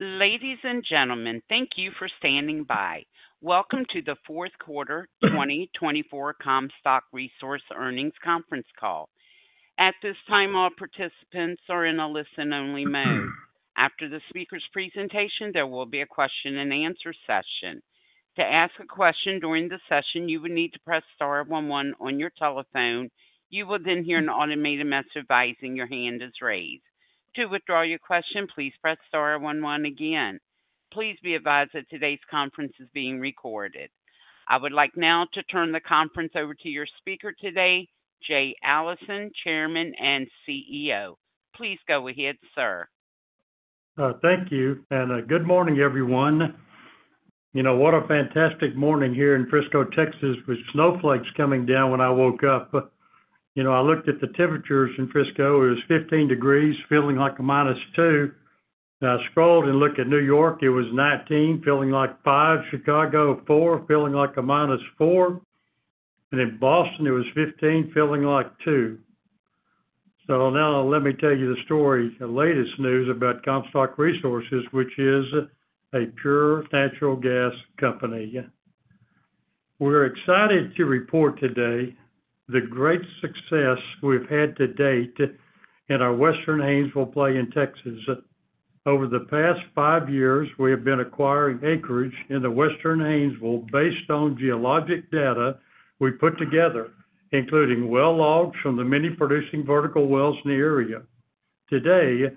Ladies and gentlemen, thank you for standing by. Welcome to the fourth quarter 2024 Comstock Resources Earnings Conference call. At this time, all participants are in a listen-only mode. After the speaker's presentation, there will be a question and answer session. To ask a question during the session, you would need to press star one one on your telephone. You will then hear an automated message advising. Your hand is raised to withdraw your question. Please press star one one again. Please be advised that today's conference is being recorded. I would like now to turn the conference over to your speaker today, Jay Allison, Chairman and CEO. Please go ahead, sir. Thank you and good morning everyone. You know what a fantastic morning here in Frisco, Texas with snowflakes coming down. When I woke up, you know, I looked at the temperatures in Frisco, it was 15 °C feeling like a -2 °C. I scrolled and looked at New York, it was 19 °C feeling like 5 °C. Chicago 4 °C, feeling like a -4 °C. And in Boston it was 15 °C feeling like 2 °C. So now let me tell you the story. The latest news about Comstock Resources, which is a pure natural gas company. We are excited to report today the great success we've had to date in our Western Haynesville play in Texas. Over the past five years, we have been acquiring acreage in the Western Haynesville based on geologic data we put together, including well logs from the many producing vertical wells in the area. Today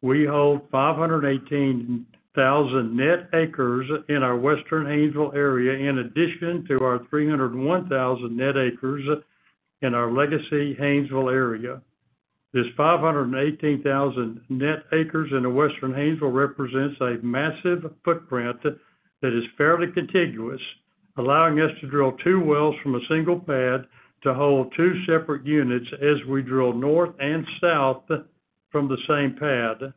we hold 518,000 net acres in our Western Haynesville area, in addition to our 301,000 net acres in our Legacy Haynesville area. This 518,000 net acres in the Western Haynesville represents a massive footprint that is fairly contiguous, allowing us to drill two wells from a single pad to hold two separate units as we drill north and south from the same pad.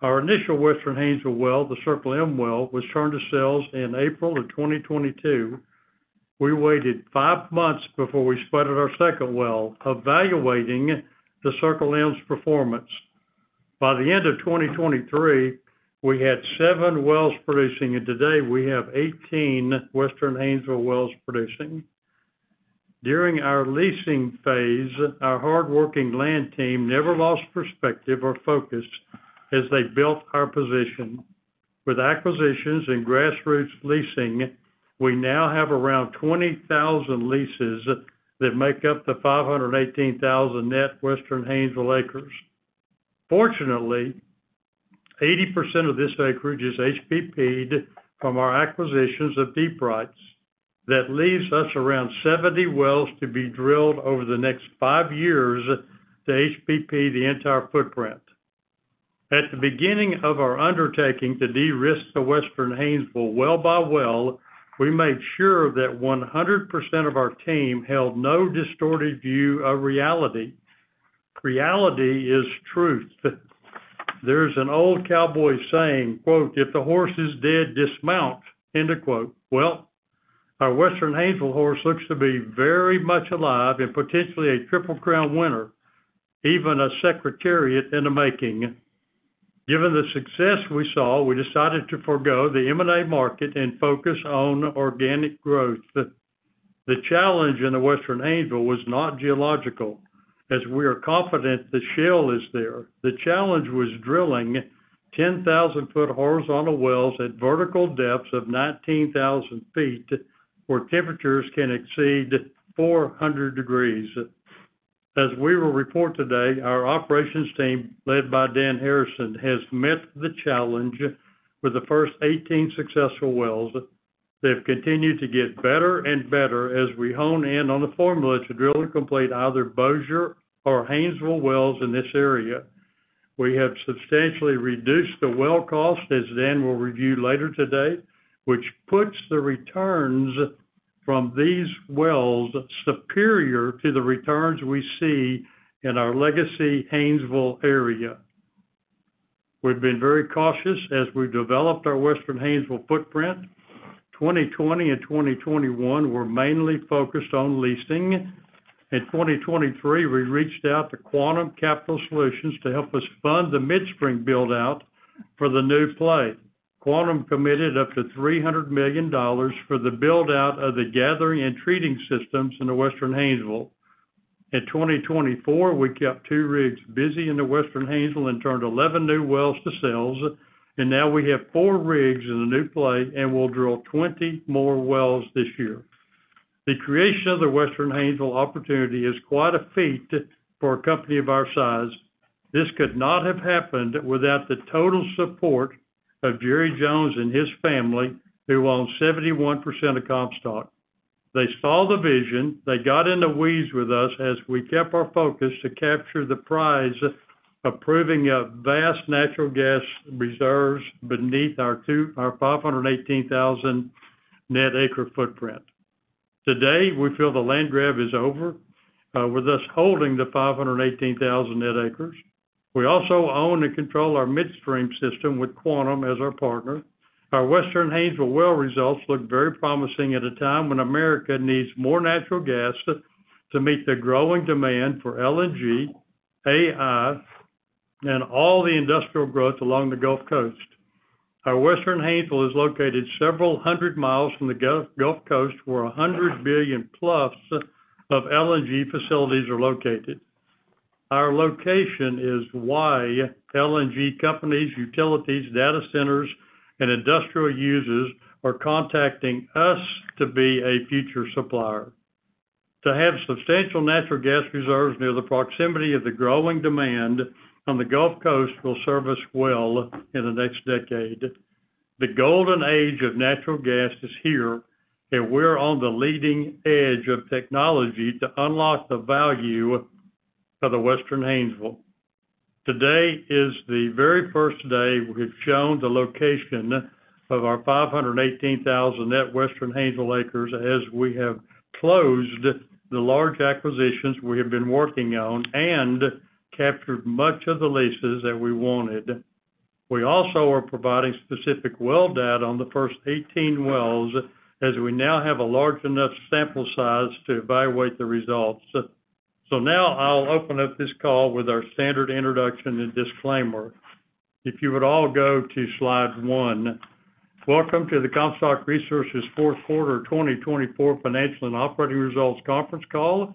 Our initial Western Haynesville well, the Circle M well, was turned to sales in April of 2022. We waited five months before we spudded our second well, evaluating the Circle M's performance. By the end of 2023, we had seven wells producing and today we have 18 Western Haynesville wells producing. During our leasing phase, our hard working land team never lost perspective or focus as they built our position with acquisitions and grassroots leasing. We now have around 20,000 leases that make up the 518,000 net Western Haynesville acres. Fortunately, 80% of this acreage is HBP'd from our acquisitions of deep rights. That leaves us around 70 wells to be drilled over the next five years to HBP the entire footprint. At the beginning of our undertaking to de-risk the Western Haynesville well by well we made sure that 100% of our team held no distorted view of reality. Reality is truth. There's an old cowboy saying, if the horse is dead, dismount. End of quote. Our Western Haynesville looks to be very much alive and potentially a Triple Crown winner. Even a Secretariat in the making. Given the success we saw, we decided to forego the M&A market and focus on organic growth. The challenge in the Western Haynesville was not geological as we are confident the shale is there. The challenge was drilling 10,000 horizontal wells at vertical depths of 19,000 ft where temperatures can exceed 400 °F. As we will report today, our operations team led by Dan Harrison has met the challenge with the first 18 successful wells. They have continued to get better and better as we hone in on the formula to drill and complete either Bossier or Haynesville wells in this area. We have substantially reduced the well cost as Dan will review later today, which puts the returns from these wells superior to the returns we see in our legacy Haynesville area. We've been very cautious as we developed our Western Haynesville footprint. 2020 and 2021 were mainly focused on leasing. In 2023, we reached out to Quantum Capital Solutions to help us fund the midstream build out for the new play. Quantum committed up to $300 million for the build out of the gathering and treating systems in the Western Haynesville. In 2024, we kept two rigs busy in the Western Haynesville and turned 11 new wells to sales, and now we have four rigs in the new play and we'll drill 20 more wells this year. The creation of the Western Haynesville opportunity is quite a feat for a company of our size. This could not have happened without the total support of Jerry Jones and his family who own 71% of Comstock. They saw the vision. They got in the weeds with us as we kept our focus to capture the prize approving of vast natural gas reserves beneath our 518,000 net acre footprint. Today, we feel the land grab is over with us holding the 518,000 net acres. We also own and control our midstream system. With Quantum as our partner. Our Western Haynesville well results look very promising at a time when America needs more natural gas to meet the growing demand for LNG, AI, and all the industrial growth along the Gulf Coast. Our Western Haynesville is located several hundred miles from the Gulf Coast where 100+ billion of LNG facilities are located. Our location is why LNG companies, utilities, data centers and industrial users are contacting us to be a future supplier. To have substantial natural gas reserves near the proximity of the growing demand on the Gulf Coast will serve us well in the next decade. The golden age of natural gas is here and we're on the leading edge of technology to unlock the value of the Western Haynesville. Today is the very first day we've shown the location of our 518,000 net Western Haynesville acres as we have closed the large acquisitions we have been working on and captured much of the leases that we wanted. We also are providing specific well data on the first 18 wells as we now have a large enough sample size to evaluate the results. So now I'll open up this call with our standard introduction and disclaimer. If you would all go to slide one, welcome to the Comstock Resources fourth quarter 2024 financial and operating results conference call.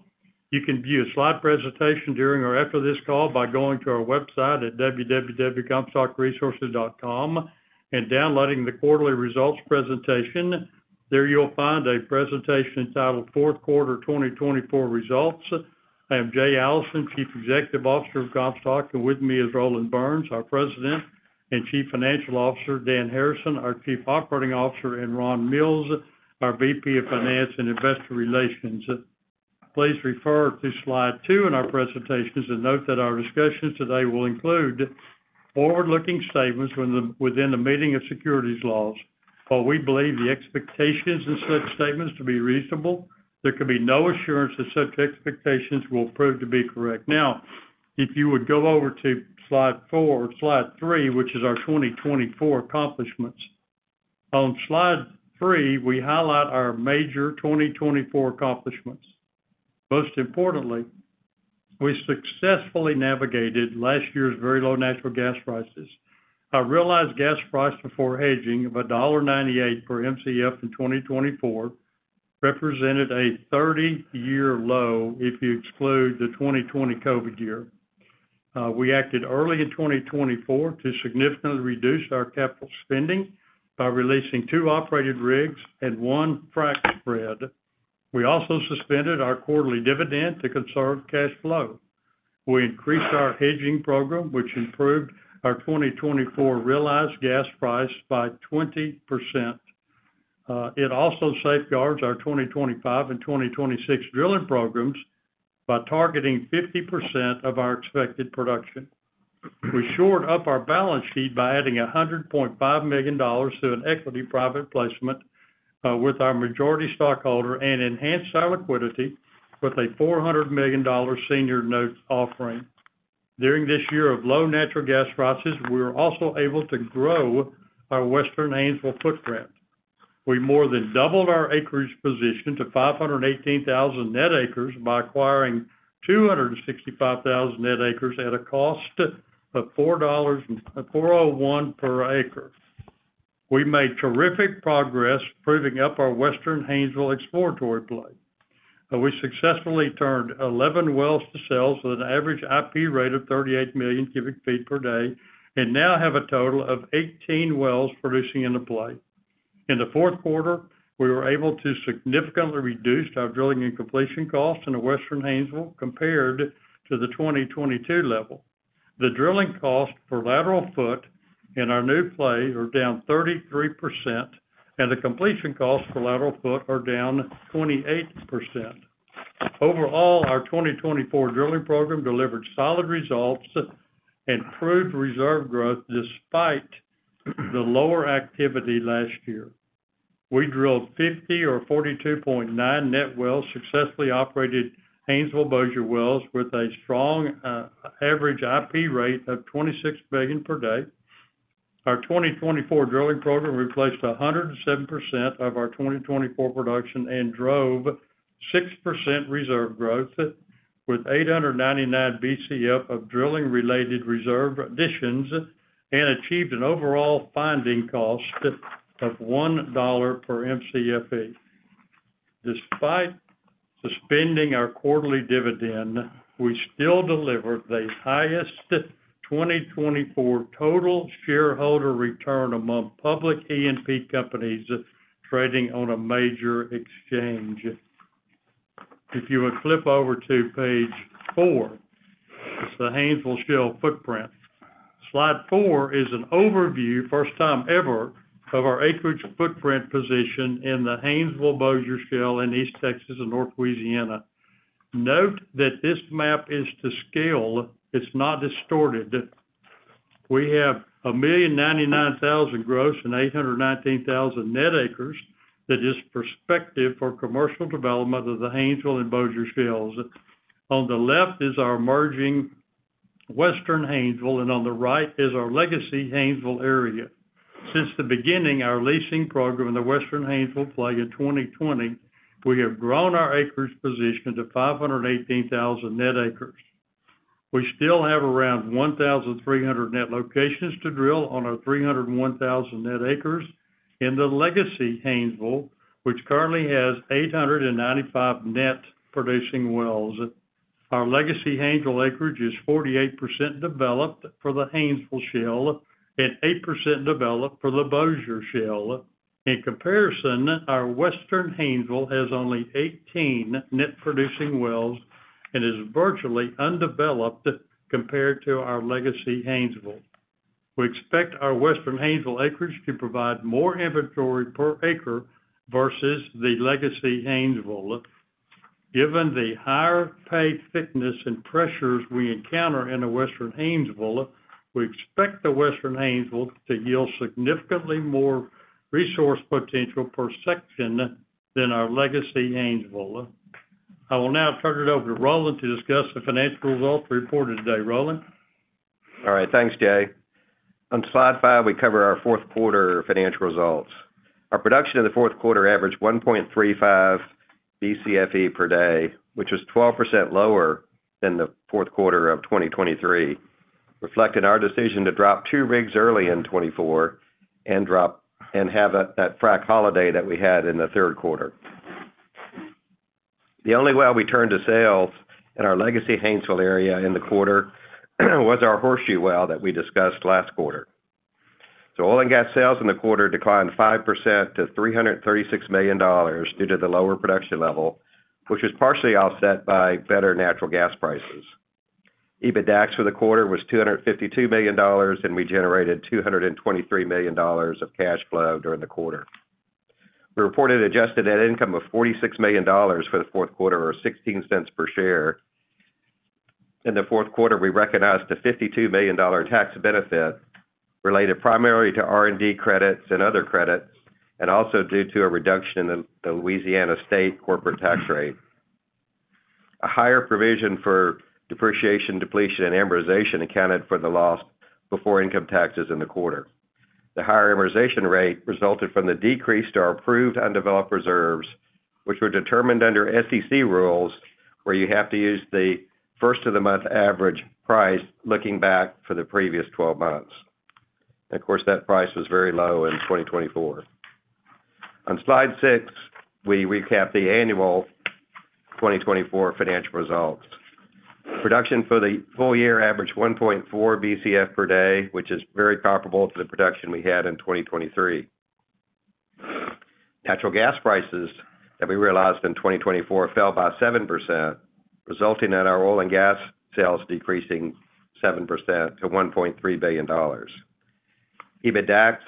You can view a slide presentation during or after this call by going to our website at www.comstockresources.com and downloading the quarterly results presentation. There you'll find a presentation entitled Fourth Quarter 2024 Results. I am Jay Allison, Chief Executive Officer of Comstock, and with me is Roland Burns, our President and Chief Financial Officer, Dan Harrison, our Chief Operating Officer, and Ron Mills, our VP of Finance and Investor Relations. Please refer to slide two in our presentations and note that our discussions today will include forward-looking statements within the meaning of securities laws. While we believe the expectations in such statements to be reasonable, there can be no assurance that such expectations will prove to be correct. Now if you would go over to slide four, slide three, which is our 2024 accomplishments. On slide three we highlight our major 2024 accomplishments. Most importantly, we successfully navigated last year's very low natural gas prices. Our realized gas price before hedging of $1.98 per Mcf in 2024 represented a 30-year low if you exclude the 2020 COVID year. We acted early in 2024 to significantly reduce our capital spending by releasing two operated rigs and one frac spread. We also suspended our quarterly dividend to conserve cash flow. We increased our hedging program which improved our 2024 realized gas price by 20%. It also safeguards our 2025 and 2026 drilling programs by targeting 50% of our expected production. We shored up our balance sheet by adding $100.5 million to an equity private placement with our majority stockholder and enhanced our liquidity with a $400 million senior note offering. During this year of low natural gas prices, we were also able to grow our Western Haynesville footprint. We more than doubled our acreage position to 518,000 net acres by acquiring 265,000 net acres at a cost of $4.401 per acre. We made terrific progress proving up our Western Haynesville exploratory play. We successfully turned 11 wells to sales with an average IP rate of 38 MMcf per day and now have a total of 18 wells producing in the play. In the fourth quarter we were able to significantly reduce our drilling and completion costs in the Western Haynesville compared to the 2022 level. The drilling cost for lateral foot in our new play are down 33% and the completion costs for lateral foot are down 28%. Overall, our 2024 drilling program delivered solid results and proved reserve growth despite the lower activity. Last year we drilled 50 or 42.9 net wells, successfully operated Haynesville Bossier wells with a strong average IP rate of 26 million per day. Our 2024 drilling program replaced 107% of our 2024 production and drove 6% reserve growth with 899 Bcf of drilling related reserve additions and achieved an overall finding cost of $1 per Mcfe. Despite suspending our quarterly dividend, we still deliver the highest 2024 total shareholder return among public E&P companies trading on a major exchange. If you would flip over to page four, it's the Haynesville Shale Footprint. Slide four is an overview first time ever of our acreage footprint position in the Haynesville Bossier Shale in East Texas and North Louisiana. Note that this map is to scale, it's not distorted. We have 1,099,000 gross and 819,000 net acres that is prospective for commercial development of the Haynesville and Bossier Shale. On the left is our emerging Western Haynesville and on the right is our Legacy Haynesville area. Since the beginning our leasing program in the Western Haynesville play in 2020 we have grown our acreage position to 518,000 net acres. We still have around 1,300 net locations to drill on our 301,000 net acres in the Legacy Haynesville which currently has 895 net producing wells. Our Legacy Haynesville acreage is 48% developed from the Haynesville Shale and 8% developed for the Bossier Shale. In comparison, our Western Haynesville has only 18 net producing wells and is virtually undeveloped compared to our Legacy Haynesville. We expect our Western Haynesville acreage to provide more inventory per acre versus the Legacy Haynesville given the higher pay thickness and pressures we encounter in the Western Haynesville. We expect the Western Haynesville to yield significantly more resource potential per section than our Legacy Haynesville. I will now turn it over to Roland to discuss the financial results reported today. All right, thanks, Jay. On slide five, we cover our fourth quarter financial results. Our production in the fourth quarter averaged 1.35 Bcfe per day, which was 12% lower than the fourth quarter of 2023, reflecting our decision to drop two rigs early in 2024 and drop and have that frac holiday that we had in the third quarter. The only well we turned to sales in our Legacy Haynesville area in the quarter was our Horseshoe well that we discussed last quarter. So oil and gas sales in the quarter declined 5% to $336 million due to the lower production level, which was partially offset by better natural gas prices. EBITDA for the quarter was $252 million and we generated $223 million of cash flow during the quarter. We reported adjusted net income of $46 million for the fourth quarter, or $0.16 per share. In the fourth quarter, we recognized a $52 million tax benefit related primarily to R&D credits and other credits and also due to a reduction in the Louisiana state corporate tax rate. A higher provision for depreciation, depletion, and amortization accounted for the loss before income taxes in the quarter. The higher amortization rate resulted from the decreased proved undeveloped reserves which were determined under SEC rules where you have to use the first of the month average price. Looking back for the previous 12 months, of course that price was very low in 2024. On slide six we recap the annual 2024 financial results. Production for the full year averaged 1.4 Bcf per day, which is very comparable to the production we had in 2023. Natural gas prices that we realized in 2024 fell by 7%, resulting in our oil and gas sales decreasing 7% to $1.3 billion. EBITDA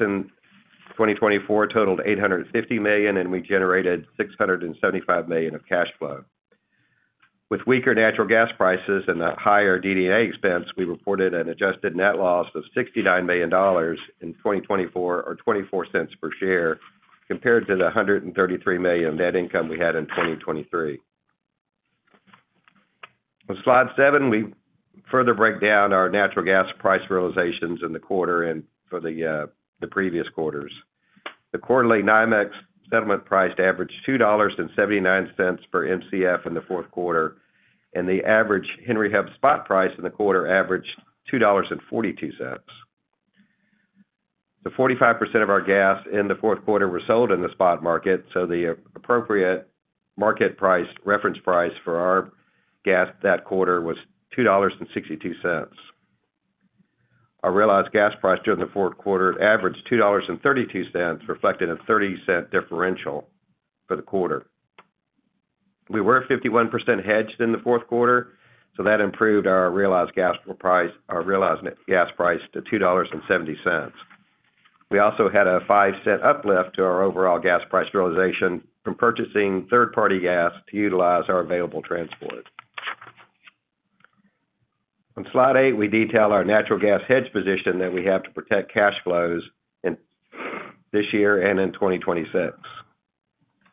in 2024 totaled $850 million and we generated $675 million of cash flow with weaker natural gas prices and higher DD&A expense. We reported an adjusted net loss of $69 million in 2024, or $0.24 per share, compared to the $133 million of net income we had in 2023. On slide seven we further break down our natural gas price realizations in the quarter and for the previous quarters. The quarterly NYMEX settlement price averaged $2.79 per Mcf in the fourth quarter and the average Henry Hub spot price in the quarter averaged $2.42. The 45% of our gas in the fourth quarter were sold in the spot market, so the appropriate market price reference price for our gas that quarter was $2.62. Our realized gas price during the fourth quarter averaged $2.32, reflecting a $0.30 differential for the quarter. We were 51% hedged in the fourth quarter, so that improved our realized gas price to $2.70. We also had a $0.05 uplift to our overall gas price realization from purchasing third party gas to utilize our available transport. On slide eight we detail our natural gas hedge position that we have to protect cash flows this year and in 2026.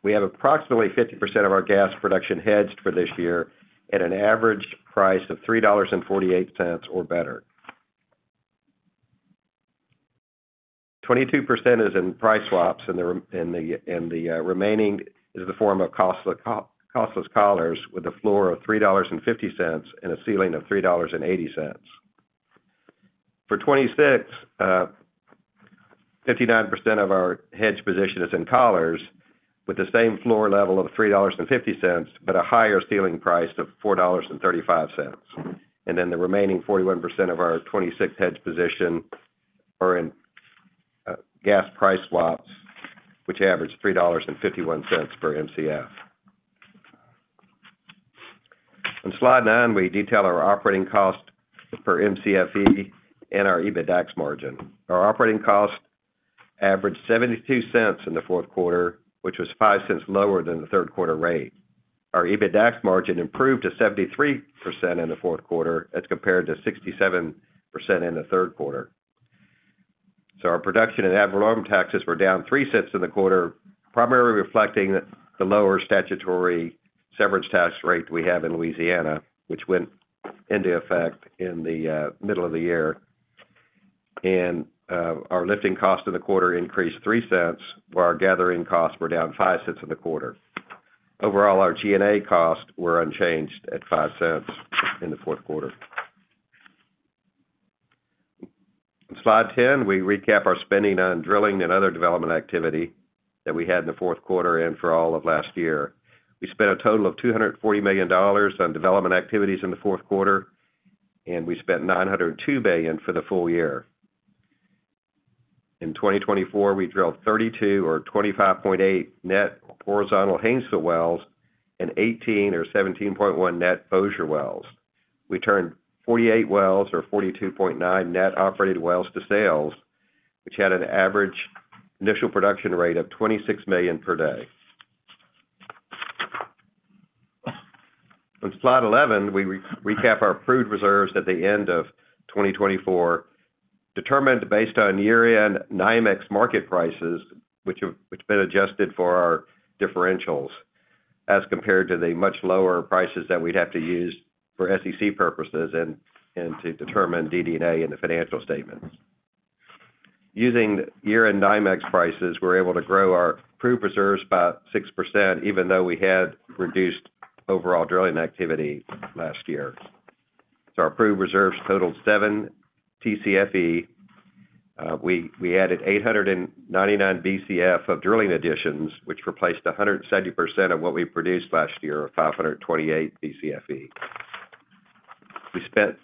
We have approximately 50% of our gas production hedged for this year at an average price of $3.48. 22% is in price swaps and the remaining is in the form of costless collars with a floor of $3.50 and a ceiling of $3.80. For 2026, 59% of our hedge position is in collars with the same floor level of $3.50 but a higher ceiling price of $4.35 and then the remaining 41% of our 2026 hedge position is in gas price swaps which average $3.51 per Mcf. On slide 9 we detail our operating cost per Mcfe and our EBITDA margin. Our operating cost averaged $0.72 in the fourth quarter which was $0.05 lower than the third quarter rate. Our EBITDA margin improved to 73% in the fourth quarter as compared to 67% in the third quarter, so our production and ad valorem taxes were down $0.03 in the quarter, primarily reflecting the lower statutory severance tax rate we have in Louisiana which went into effect in the middle of the year and our lifting cost in the quarter increased $0.03 while our gathering costs were down $0.05 in the quarter. Overall, our G&A cost were unchanged at $0.05 in the fourth quarter. Slide 10. We recap our spending on drilling and other development activity that we had in the fourth quarter and for all of last year. We spent a total of $240 million on development activities in the fourth quarter and we spent $902 million for the full year. In 2024 we drilled 32 or 25.8 net horizontal Haynesville wells and 18 or 17.1 net Bossier wells. We turned 48 wells or 42.9 net operated wells to sales which had an average initial production rate of 26 million per day. On slide 11 we recap our proved reserves at the end of 2024 determined based on year end NYMEX market prices which have been adjusted for our differentials as compared to the much lower prices that we'd have to use for SEC purposes and to determine DD&A in the financial statements. Using year end NYMEX prices, we were able to grow our proved reserves about 6% even though we had reduced overall drilling activity last year, so our proved reserves totaled 7.10 Tcfe. We added 899 Bcf of drilling additions which replaced 170% of what we produced last year of 528 Bcfe. We spent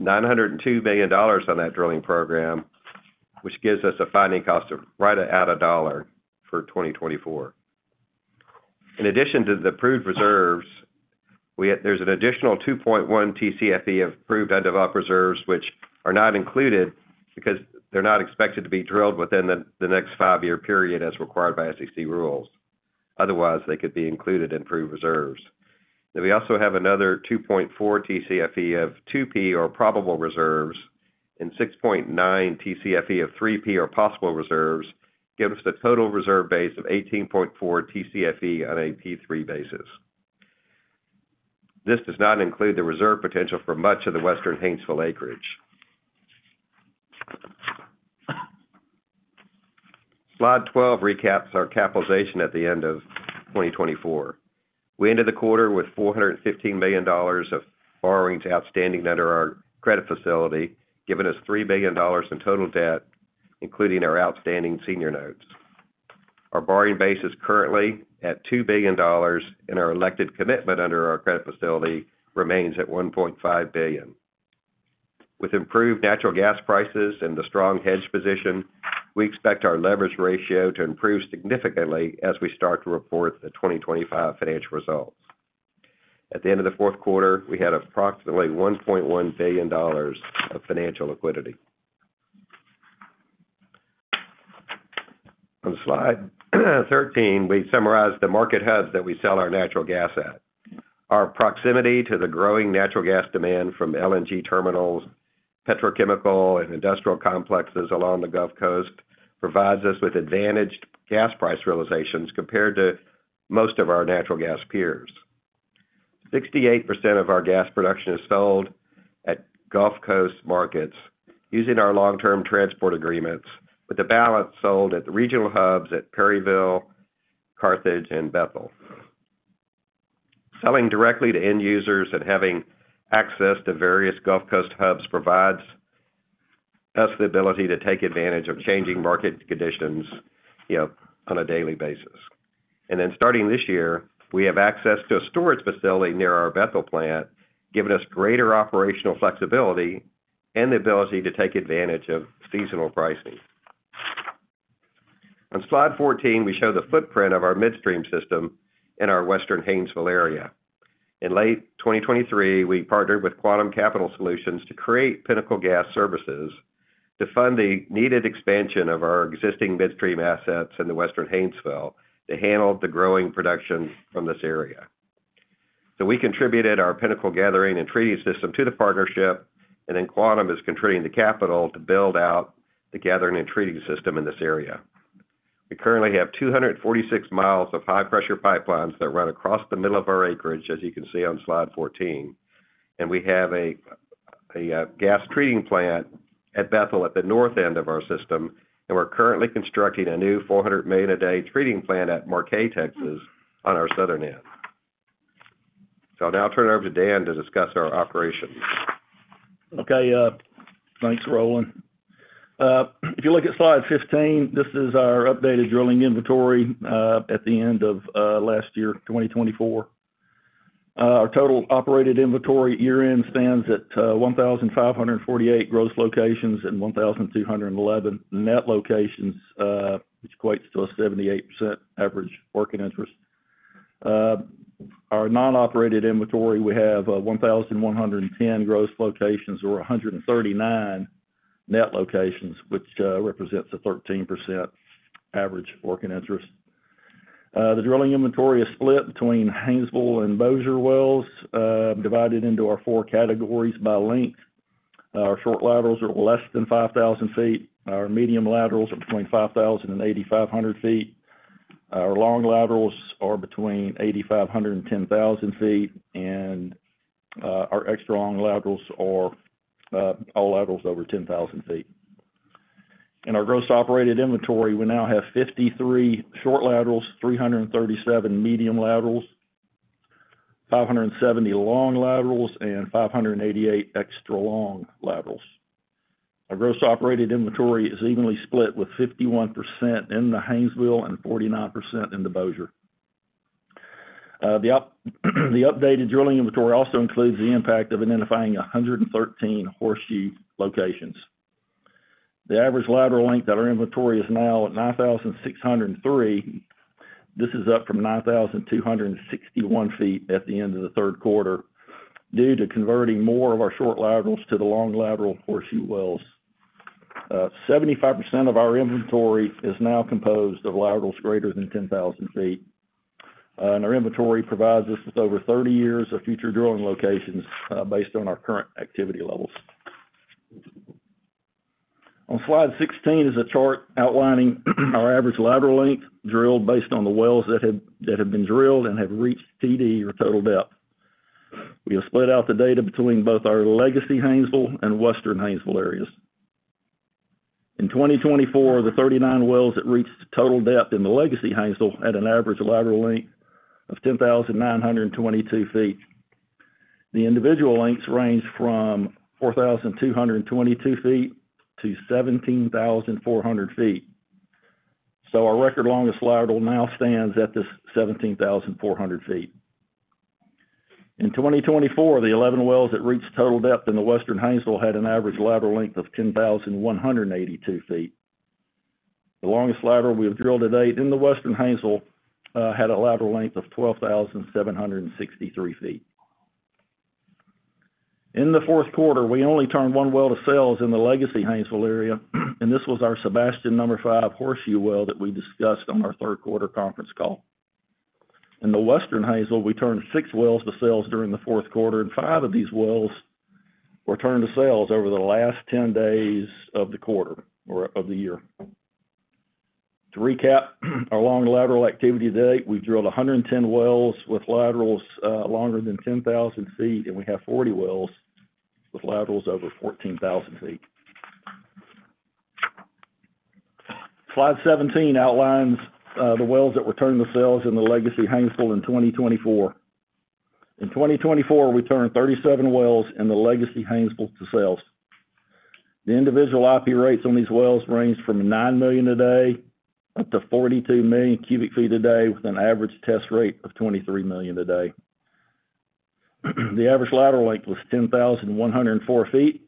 $902 million on that drilling program which gives us a finding cost of right at a dollar for 2024. In addition to the proved reserves, there's an additional 2.1 Tcfe of proved undeveloped reserves which are not included because they're not expected to be drilled within the next five-year period as required by SEC rules. Otherwise they could be included in proved reserves. We also have another 2.4 Tcfe of 2P or probable reserves and 6.9 Tcfe of 3P or possible reserves, gives us a total reserve base of 18.4 Tcfe on a 3P basis. This does not include the reserve potential for much of the Western Haynesville acreage. Slide 12 recaps our capitalization at the end of 2024. We ended the quarter with $415 million of borrowings outstanding under our credit facility, giving us $3 billion in total debt including our outstanding senior notes. Our borrowing base is currently at $2 billion and our elected commitment under our credit facility remains at $1.5 billion. With improved natural gas prices and the strong hedge position, we expect our leverage ratio to improve significantly as we start to report the 2025 financial results. At the end of the fourth quarter we had approximately $1.1 billion of financial liquidity. On slide 13 we summarize the market hubs that we sell our natural gas at. Our proximity to the growing natural gas demand from LNG terminals, petrochemical, and industrial complexes along the Gulf Coast provides us with advantaged gas price realizations. Compared to most of our natural gas peers, 68% of our gas production is sold at Gulf Coast markets using our long-term transport agreements with the balance sold at the regional hubs at Perryville, Carthage, and Bethel. Selling directly to end users and having access to various Gulf Coast hubs provides us the ability to take advantage of changing market conditions on a daily basis, and then starting this year, we have access to a storage facility near our Bethel plant, giving us greater operational flexibility and the ability to take advantage of seasonal pricing. On slide 14, we show the footprint of our midstream system in our Western Haynesville area. In late 2023, we partnered with Quantum Capital Solutions to create Pinnacle Gas Services to fund the needed expansion of our existing midstream assets in the Western Haynesville to handle the growing production from this area. So we contributed our Pinnacle gathering and treating system to the partnership, and then Quantum is contributing the capital to build out the gathering and treating system in this area. We currently have 246 mi of high pressure pipelines that run across the middle of our acreage, as you can see on slide 14. And we have a gas treating plant at Bethel at the north end of our system. And we're currently constructing a new 400 MMcf a day treating plant at Marquez, Texas on our southern end. So I'll now turn it over to Dan to discuss our operations. Okay, thanks, Roland. If you look at slide 15, this is our updated drilling inventory at the end of last year 2024. Our total operated inventory year-end stands at 1,548 gross locations and 1,211 net locations, which equates to a 78% average working interest. Our non-operated inventory, we have 1,110 gross locations or 139 net locations which represents a 13% average working interest. The drilling inventory is split between Haynesville and Bossier wells divided into our four categories by length. Our short laterals are less than 5,000 ft. Our medium laterals are between 5,000 ft and 8,500 ft. Our long laterals are between 8,500 ft and 10,000 ft. And our extra-long laterals are all laterals over 10,000 ft. In our gross operated inventory, we now have 53 short laterals, 337 medium laterals, 570 long laterals and 588 extra-long laterals. Our gross operated inventory is evenly split with 51% in the Haynesville and 49% in the Bossier. The updated drilling inventory also includes the impact of identifying 113 Horseshoe locations. The average lateral length of our inventory is now at 9,603 ft. This is up from 9,261 ft at the end of the third quarter due to converting more of our short laterals to the long lateral horseshoe wells. 75% of our inventory is now composed of laterals greater than 10,000 ft. Our inventory provides us with over 30 years of future drilling locations based on our current activity levels. On Slide 16 is a chart outlining our average lateral length drilled based on the wells that have been drilled and have reached TD or total depth. We have split out the data between both our Legacy Haynesville and Western Haynesville areas. In 2024, the 39 wells that reached total depth in the Legacy Haynesville had an average lateral length of 10,922 ft. The individual lengths range from 4,222 ft to 17,400 ft, so our record longest lateral now stands at this 17,400 ft. In 2024, the 11 wells that reached total depth in the Western Haynesville had an average lateral length of 10,182 ft. The longest lateral we have drilled to date in the Western Haynesville had a lateral length of 12,763 ft. In the fourth quarter, we only turned one well to sales in the Legacy Haynesville area and this was our Sebastian HU5 well that we discussed on third quarter conference call in the Western Haynesville. We turned six wells to sales during the fourth quarter and five of these wells were turned to sales over the last 10 days of the quarter or of the year. To recap our long lateral activity to date, we've drilled 110 wells with laterals longer than 10,000 ft and we have 40 wells with laterals over 14,000 ft. Slide 17 outlines the wells that were turned to sales in the Legacy Haynesville in 2024. In 2024 we turned 37 wells in the Legacy Haynesville to sales. The individual IP rates on these wells ranged from 9 MMcf a day up to 42 MMcf a day with an average test rate of 23 MMcf a day. The average lateral length was 10,104 ft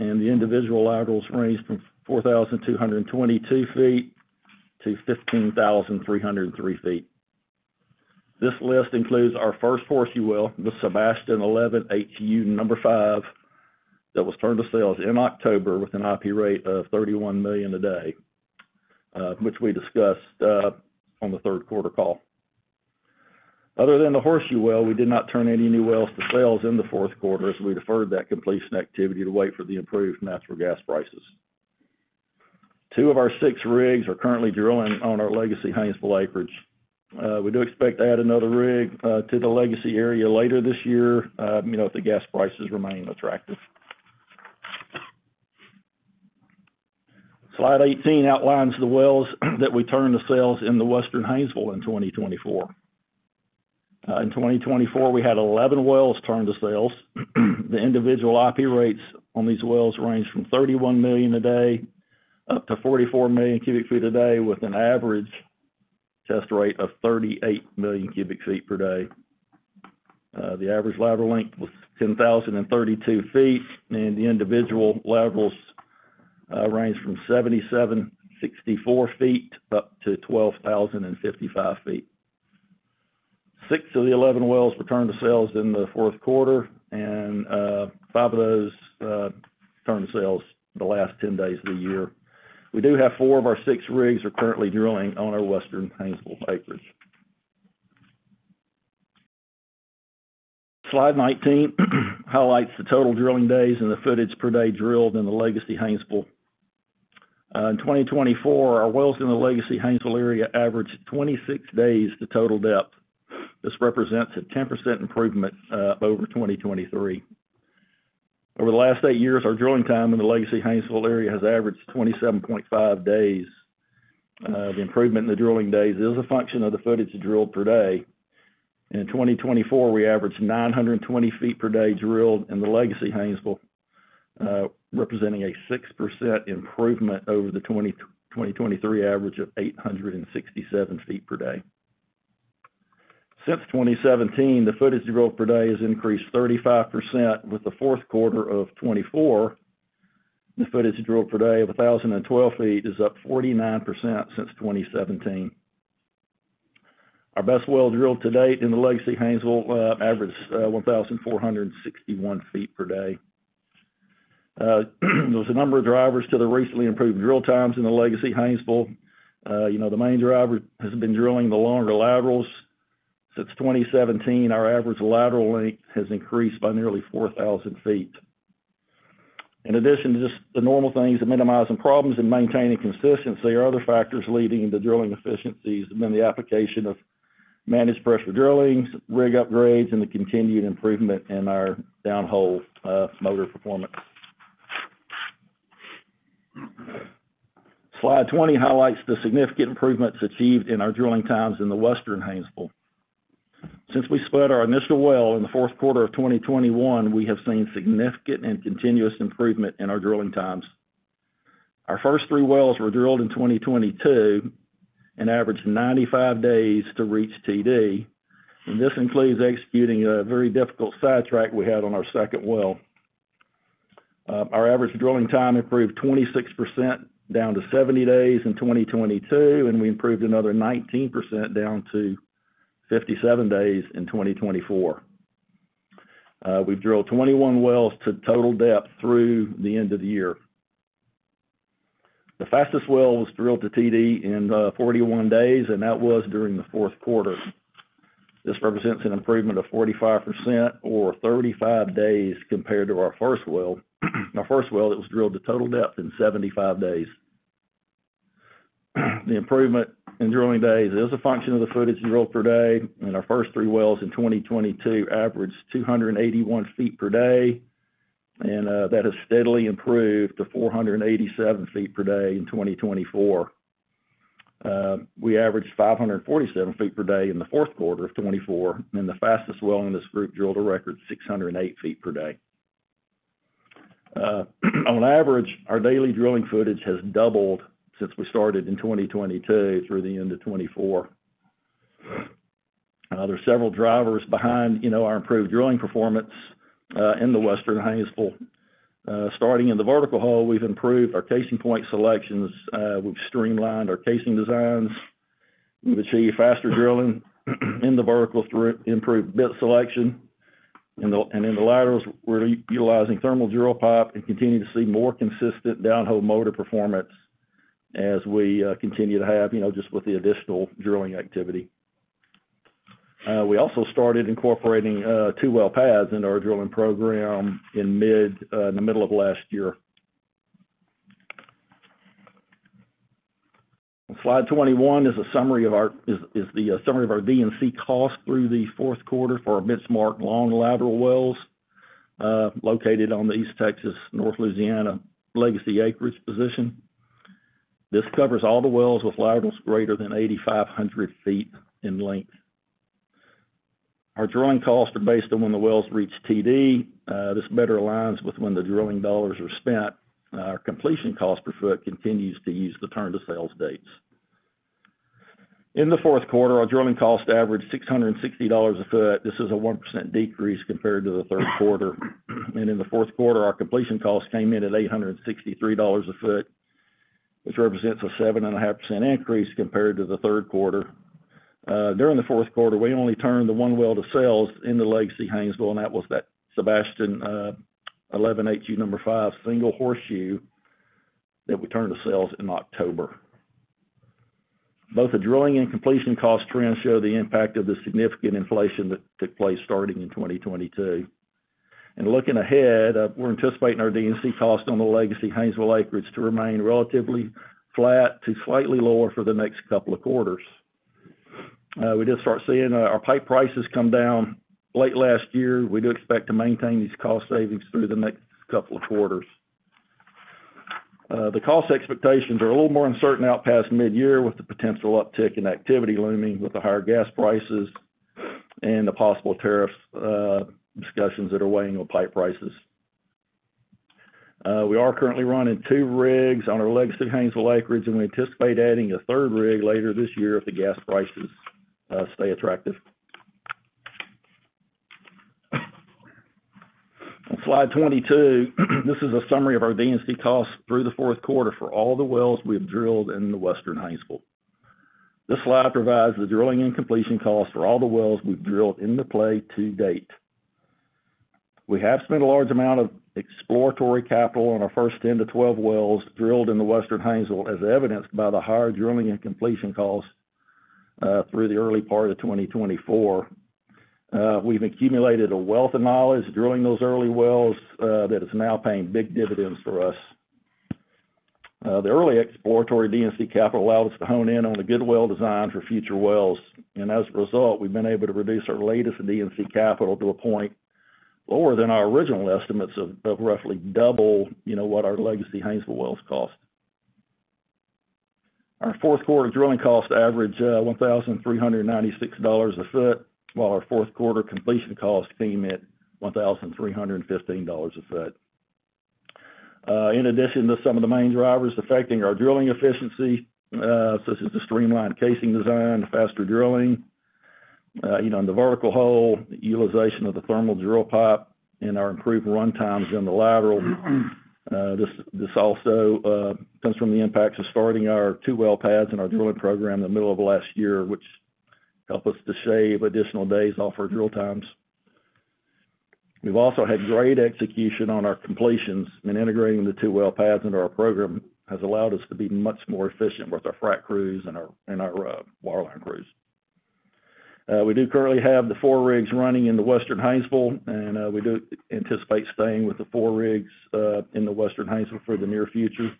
and the individual laterals ranged from 4,222 ft to 15,303 ft. This list includes our first Horseshoe, the Sebastian 11 HU5 that was turned to sales in October with an IP rate of 31 MMcf a day, which we discussed on the third quarter call. Other than the Horseshoe well, we did not turn any new wells to sales in the fourth quarter as we deferred that completion activity to wait for the improved natural gas prices. Two of our six rigs are currently drilling on our Legacy Haynesville acreage. We do expect to add another rig to the Legacy area later this year if the gas prices remain attractive. Slide 18 outlines the wells that we turned to sales in the Western Haynesville in 2024. In 2024 we had 11 wells turned to sales. The individual IP rates on these wells ranged from 31 million a day up to 44 million cubic feet a day, with an average test rate of 38 million cubic feet per day. The average lateral length was 10,032 ft and the individual laterals ranged from 7,764 ft up to 12,055 ft. Six of the 11 wells returned to sales in the fourth quarter and five of those turned sales the last 10 days of the year. We do have four of our six rigs are currently drilling on our Western Haynesville acreage. Slide 19 highlights the total drilling days and the footage per day drilled in the Legacy Haynesville. In 2024, our wells in the Legacy Haynesville area averaged 26 days to total depth. This represents a 10% improvement over 2023. Over the last eight years, our drilling time in the Legacy Haynesville area has averaged 27.5 days. The improvement in the drilling days is a function of the footage drilled per day. In 2024, we averaged 920 ft per day drilled in the Legacy Haynesville, representing a 6% improvement over the 2023 average of 867 ft per day. Since 2017, the footage drilled per day has increased 35%. With Fourth Quarter of 2024, the footage drilled per day of 1,012 ft is up 49% since 2017. Our best well drilled to date in the Legacy Haynesville averaged 1,461 ft per day. There's a number of drivers to the recently improved drill times in the Legacy Haynesville. You know the main driver has been drilling the longer laterals. Since 2017, our average lateral length has increased by nearly 4,000 ft. In addition to just the normal things that minimizing problems and maintaining consistency are other factors leading the drilling efficiencies and then the application of managed pressure drilling, rig upgrades and the continued improvement in our downhole motor performance. Slide 20 highlights the significant improvements achieved in our drilling times in the Western Haynesville. Since we split our initial well in the fourth quarter of 2021, we have seen significant and continuous improvement in our drilling times. Our first three wells were drilled in 2022 and averaged 95 days to reach TD, and this includes executing a very difficult sidetrack we had on our second well. Our average drilling time improved 26% down to 70 days in 2022 and we improved another 19% down to 57 days in 2024. We've drilled 21 wells to total depth through the end of the year. The fastest well was drilled to TD in 41 days and that was during the fourth quarter. This represents an improvement of 45% or 35 days compared to our first well that was drilled to total depth in 75 days. The improvement in drilling days is a function of the footage drilled per day, and our first three wells in 2022 averaged 281 ft per day, and that has steadily improved to 487 ft per day in 2024. We averaged 547 ft per day in Fourth Quarter 2024 and the fastest well in this group drilled a record 608 ft per day. On average, our daily drilling footage has doubled since we started in 2022 through the end of 2024. There are several drivers behind you know our improved drilling performance in the Western Haynesville. Starting in the vertical hole, we've improved our casing point selections, we've streamlined our casing designs, we've achieved faster drilling in the vertical through improved bit selection and in the laterals we're utilizing thermal drill pipe and continue to see more consistent downhole motor performance as we continue to have just with the additional drilling activity. We also started incorporating two well pads into our drilling program in the middle of last year. Slide 21 is the summary of our D&C cost through the fourth quarter for our benchmark long lateral wells located on the East Texas North Louisiana Legacy acreage position. This covers all the wells with laterals greater than 8,500 ft in length. Our drilling costs are based on when the wells reach TD. This better aligns with when the drilling dollars are spent. Our completion cost per foot continues to use the turn to sales dates. In the fourth quarter our drilling cost averaged $660 a foot. This is a 1% decrease compared to the third quarter and in the fourth quarter our completion costs came in at $863 a foot, which represents a 7.5% increase compared to the third quarter. During the fourth quarter we only turned the one well to sales in the Legacy Haynesville and that was that Sebastian 11 HU5 single horseshoe that we turned to sales in October. Both the drilling and completion cost trends show the impact of the significant inflation that took place starting in 2022, and looking ahead, we're anticipating our D&C cost on the Legacy Haynesville acreage to remain relatively flat to slightly lower for the next couple of quarters. We did start seeing our pipe prices come down late last year. We do expect to maintain these cost savings through the next couple of quarters. The cost expectations are a little more uncertain out past mid-year with the potential uptick in activity looming with the higher gas prices and the possible tariffs discussions that are weighing on pipe prices. We are currently running two rigs on our Legacy Haynesville acreage, and we anticipate adding a third rig later this year if the gas prices stay attractive. On slide 22, this is a summary of our D&C costs through the fourth quarter for all the wells we have drilled in the Western Haynesville. This slide provides the drilling and completion cost for all the wells we've drilled into play to date. We have spent a large amount of exploratory capital on our first 10-12 wells drilled in the Western Haynesville, as evidenced by the higher drilling and completion costs through the early part of 2024. We've accumulated a wealth of knowledge drilling those early wells that is now paying big dividends for us. The early exploratory D&C capital allowed us to hone in on the good well design for future wells and as a result we've been able to reduce our latest in D&C Capital to a point lower than our original estimates of roughly double what our Legacy Haynesville wells cost. Our fourth quarter drilling cost average $1,396 a foot, while our fourth quarter completion cost came at $1,315 a foot. In addition to some of the main drivers affecting our drilling efficiency, such as the streamlined casing design, faster drilling in the vertical hole, utilization of the thermal drill pipe, and our improved run times in the lateral, this also comes from the impacts of starting our two well pads in our drilling program in the middle of last year, which help us to shave additional days off our drill times. We've also had great execution on our completions and integrating the two well pads into our program has allowed us to be much more efficient with our frac crews and our water line crews. We do currently have the four rigs running in the Western Haynesville and we do anticipate staying with the four rigs in the Western Haynesville for the near future.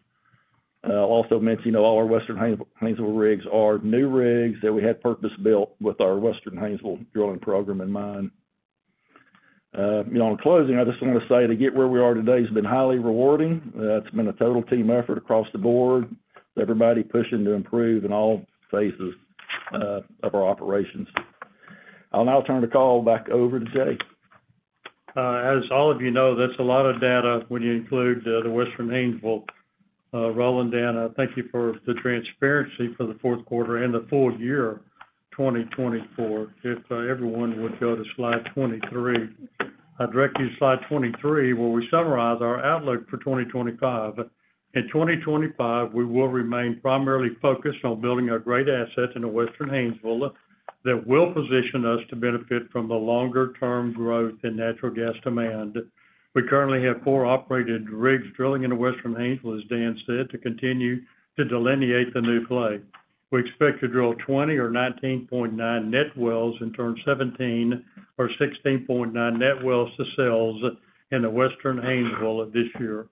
I'll also mention all our Western Haynesville rigs are new rigs that we had purpose built with our Western Haynesville drilling program in mind. In closing, I just want to say to get where we are today has been highly rewarding. It's been a total team effort across the board, everybody pushing to improve in all phases of our operations. I'll now turn the call back over to Jay. As all of you know, that's a lot of data when you include the Western Haynesville. Roland, Dan, thank you for the transparency for the fourth quarter and the full year 2024. If everyone would go to slide 23, I direct you to slide 23 where we summarize our outlook for 2025. In 2025 we will remain primarily focused on building a great asset in the Western Haynesville that will position us to benefit from the longer term growth in natural gas demand. We currently have four operated rigs drilling in the Western Haynesville. As Dan said, to continue to delineate the new play, we expect to drill 20 or 19.9 net wells and turn 17 or 16.9 net wells to sales in the Western Haynesville. This year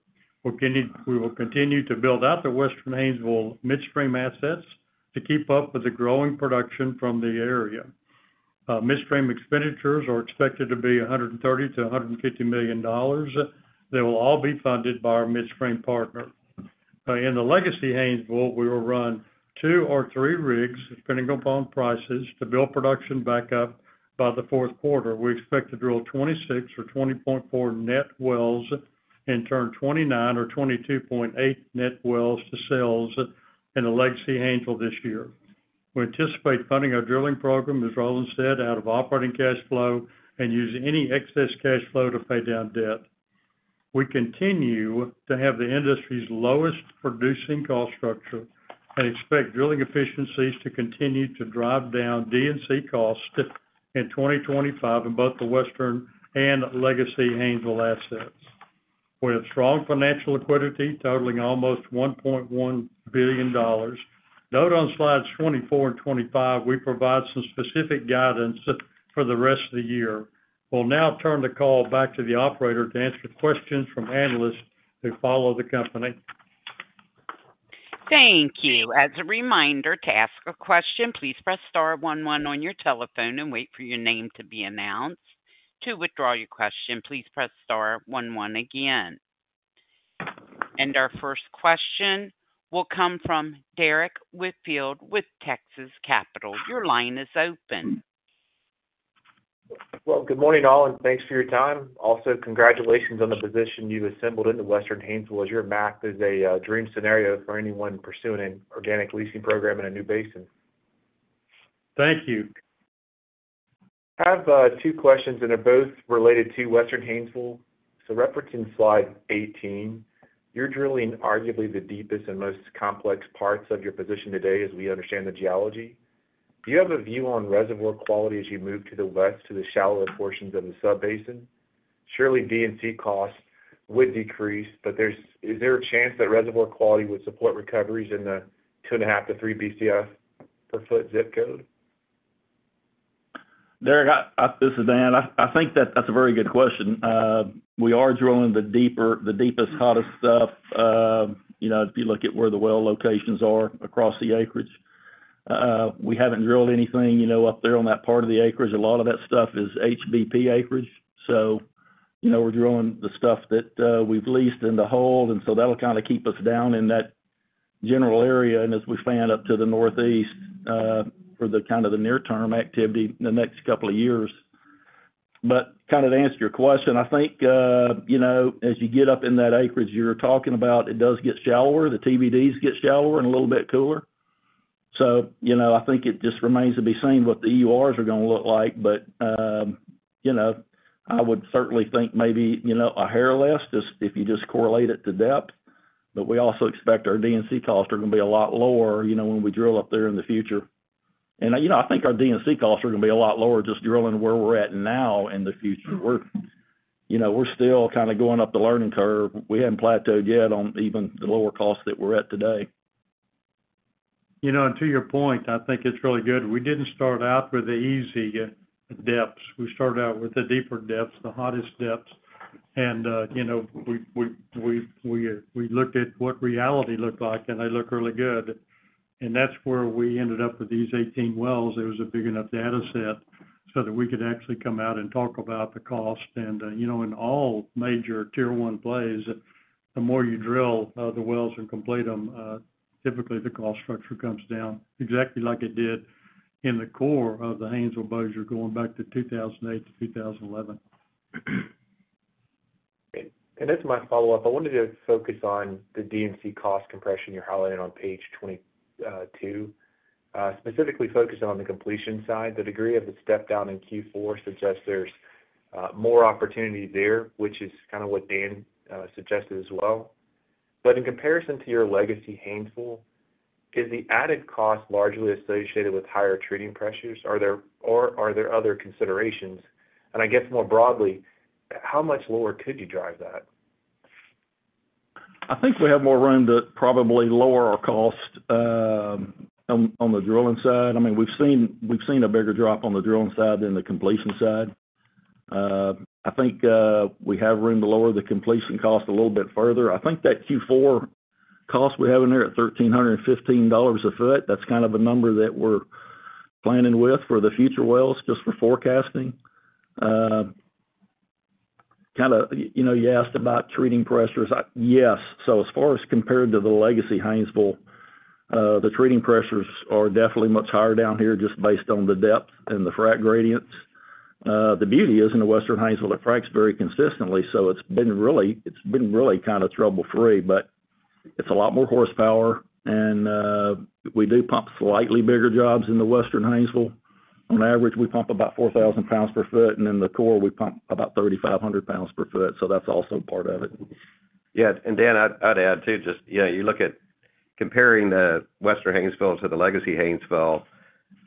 we will continue to build out the Western Haynesville midstream assets to keep up with the growing production from the area. Midstream expenditures are expected to be $130 million-$150 million. They will all be funded by our midstream partner in the Legacy Haynesville. We will run two or three rigs depending upon prices to build production back up. By the fourth quarter, we expect to drill 26 or 20.4 net wells and turn 29 or 22.8 net wells to sales in the Legacy Haynesville this year. We anticipate funding our drilling program as rolling steadily out of operating cash flow and use any excess cash flow to pay down debt. We continue to have the industry's lowest producing cost structure and expect drilling efficiencies to continue to drive down D&C costs in 2025. In both the Western and Legacy Haynesville assets, we have strong financial liquidity totaling almost $1.1 billion. Note on slides 24 and 25 we provide some specific guidance for the rest of the year. We'll now turn the call back to the operator to answer questions from analysts who follow the company. Thank you. As a reminder to ask a question, please press star one one on your telephone and wait for your name to be announced. To withdraw your question, please press star one one again. Our first question will come from Derrick Whitfield with Texas Capital. Your line is open. Good morning all and thanks for your time. Also, congratulations on the position you assembled into Western Haynesville as your map is a dream scenario for anyone pursuing an organic leasing program in a new basin. Thank you. I have two questions and they're both related to Western Haynesville, so referencing slide 18. You're drilling arguably the deepest and most complex parts of your position today as we understand the geology. Do you have a view on reservoir? Quality as you move to the west to the shallower portions of the subbasin. Surely D&C costs would decrease, but is there a chance that reservoir quality would support recoveries in the 2.5-3 Bcf per foot zip code? Derrick, this is Dan. I think that that's a very good question. We are drilling the deepest, hottest stuff. If you look at where the well locations are across the acreage, we haven't drilled anything up there on that part of the acreage. A lot of that stuff is HBP acreage, so we're drilling the stuff that we've leased in the hole. And so that'll kind of keep us down in that general area, and as we fan up to the northeast for the kind of near term activity in the next couple of years, but kind of to answer your question, I think, you know, as you get up in that acreage you're talking about, it does get shallower, the TDs get shallower and a little bit cooler, so you know, I think it just remains to be seen what the EURs are going to look like. But, you know, I would certainly think maybe, you know, a hair less just if you just correlate it to depth. But we also expect our D&C costs are going to be a lot lower, you know, when we drill up there in the future. And, you know, I think our D&C costs are going to be a lot lower just drilling where we're at now in the future. You know, we're still kind of going up the learning curve. We hadn't plateaued yet on even the lower cost that we're at today. You know, to your point, I think it's really good. We didn't start out with the easy depths. We started out with the deeper depths, the hottest depths. And you know. We looked at what reality looked like and they look really good, and that's where we ended up with these 18 wells. It was a big enough data set so that we could actually come out and talk about the cost. You know, in all major Tier 1 plays, the more you drill the wells and complete them, typically the cost structure comes down exactly like it did in the core of the Haynesville Bossier going back to 2008 to 2011. As my follow-up, I wanted. To focus on the D&C cost compression you're highlighting on page 22, specifically focusing on the completion side. The degree of the step down in Q4 suggests there's more opportunity there, which is kind of what Dan suggested as well. But in comparison to your Legacy Haynesville, is the added cost largely associated with higher treating pressures or are there other considerations and I guess more broadly, how much lower could you drive that? I think we have more room to probably lower our cost. On the drilling side. I mean, we've seen a bigger drop on the drilling side than the completion side. I think we have room to lower the completion cost a little bit further. I think that Q4 cost we have in there at $1,315 a foot. That's kind of a number that we're planning with for the future wells. Just for forecasting. Kind of. You know, you asked about treating pressures. Yes. So as far as compared to the Legacy Haynesville, the treating pressures are definitely much higher down here, just based on the depth and the frac gradients. The beauty is in the Western Haynesville, it fracs very consistently. So it's been really kind of trouble free, but it's a lot more horsepower. And we do pump slightly bigger jobs in the Western Haynesville, on average, we pump about 4,000 lbs per foot. And in the core we pump about 3,500 lbs per foot. So that's also part of it. Yeah. And Dan, I'd add too. Yeah. You look at comparing the Western Haynesville to the Legacy Haynesville.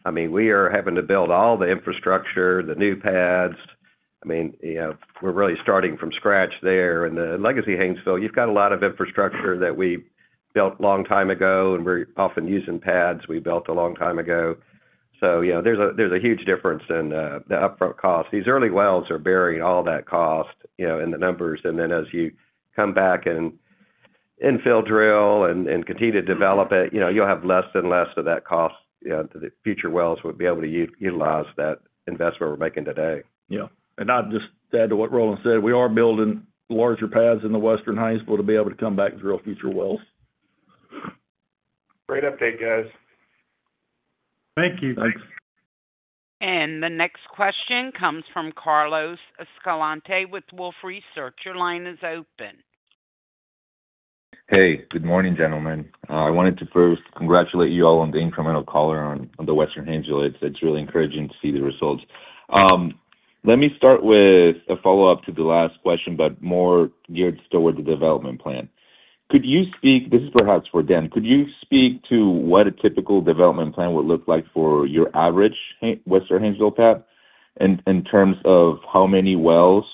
I mean, we are having to build all the infrastructure, the new pads. I mean, we're really starting from scratch there. And the Legacy Haynesville, you've got a lot of infrastructure that we built a long time ago and we're often using pads we built a long time ago. So there's a huge difference in the upfront cost. These early wells are bearing all that cost in the numbers. And then as you come back and infill drill and continue to develop it, you know, you'll have less and less of that cost to the future wells would be able to utilize that investment we're making today. Yeah. I'd just add to what Roland said. We are building larger pads in the Western Haynesville to be able to come back drill future wells. Great update, guys. Thank you. Thanks. The next question comes from Carlos Escalante with Wolfe Research. Your line is open. Hey, good morning, gentlemen. I wanted to first congratulate you all on the incremental collar on the Western Haynesville. It's really encouraging to see the results. Let me start with a follow-up to the last question, but more geared toward the development plan. Could you speak? This is perhaps for Dan. Could you speak to what a typical development plan would look like for your average Western Haynesville pad in terms of how many wells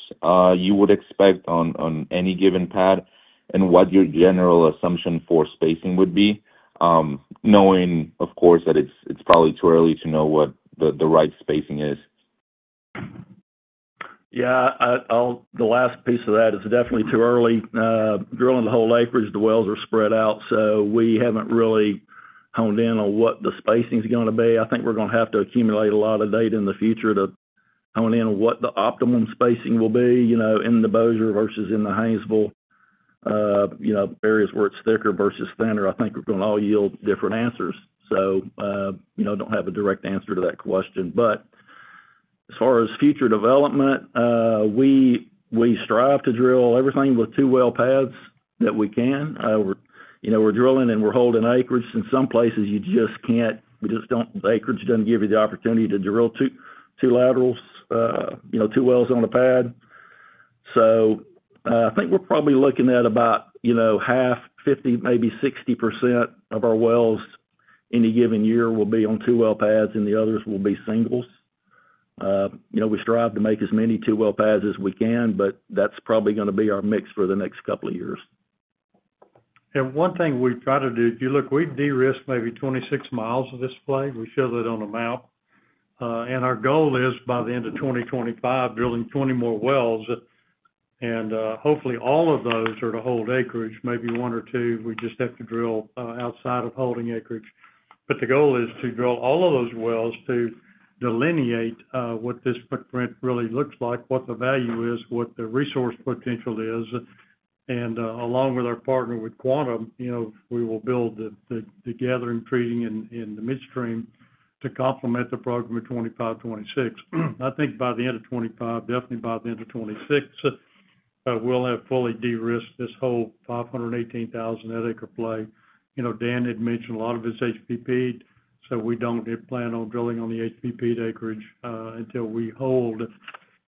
you would expect on any given pad and what your general assumption for spacing would be? Knowing of course that it's probably too early to know what the right spacing is. Yeah, the last piece of that is definitely too early. Drilling the whole acreage, the wells are spread out, so we haven't really honed in on what the spacing is going to be. I think we're going to have to accumulate a lot of data in the future to hone in on what the optimum spacing will be in the Bossier versus in the Haynesville. You know, areas where it's thicker versus thinner I think are going to all yield different answers. So, you know, don't have a direct answer to that question. But as far as future development, we strive to drill everything with two well paths that we can, you know, we're drilling and we're holding acreage. In some places you just can't, we just don't. Acreage doesn't give you the opportunity to drill two laterals, you know, two wells on a pad. So I think we're probably looking at about half, 50%, maybe 60% of our wells any given year will be on two well pads and the others will be singles. We strive to make as many two well pads as we can, but that's probably going to be our mix for the next couple of years. And one thing we try to do, if you look, we de-risk maybe 26 mi of this play. We show that on a map. Our goal is by the end of 2025 drilling 20 more wells. And hopefully all of those are to hold acreage, maybe one or two. We just have to drill outside of holding acreage. But the goal is to drill all of those wells to delineate what this footprint really looks like, what the value is, what the resource potential is. And along with our partner with Quantum, we will build the gathering and treating in the midstream to complement the program at 2025, 2026. I think by the end of 2025, definitely by the end of 2026 we'll have fully de-risked this whole 518,000-net-acre play. You know, Dan had mentioned a lot of it's HBP, so we don't plan on drilling on the HBP'd acreage until we hold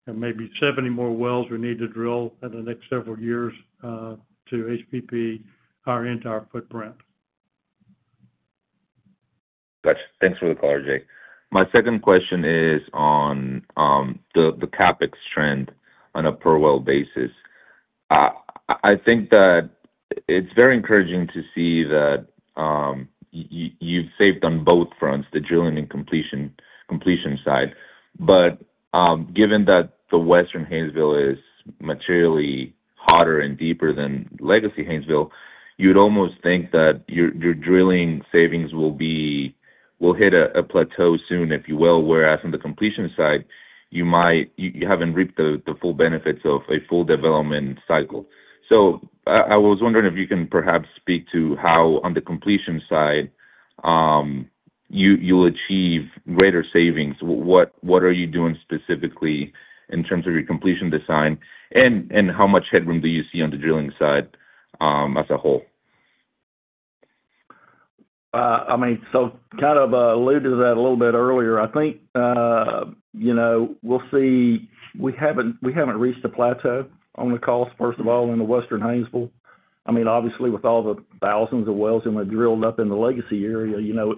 maybe 70 more wells we need to drill in the next several years to HBP our entire footprint. Gotcha. Thanks for the color, Jay. My second question is on the CapEx trend on a per well basis. I think that it's very encouraging to see that you've saved on both fronts, the drilling and completion side. But given that the Western Haynesville is materially hotter and deeper than Legacy Haynesville, you'd almost think that your drilling savings will hit a plateau soon, if you will. Whereas on the completion side, you haven't reaped the full benefits of a full development cycle. So I was wondering if you can perhaps speak to how on the completion. Side. You'll achieve greater savings. What are you doing specifically in terms of your completion design and how much headroom do you see on the drilling side as a whole? I mean, so kind of alluded to that a little bit earlier, I think, you know, we'll see. We haven't reached a plateau on the cost, first of all, in the Western Haynesville. I mean, obviously with all the thousands of wells that were drilled up in the Legacy area, you know,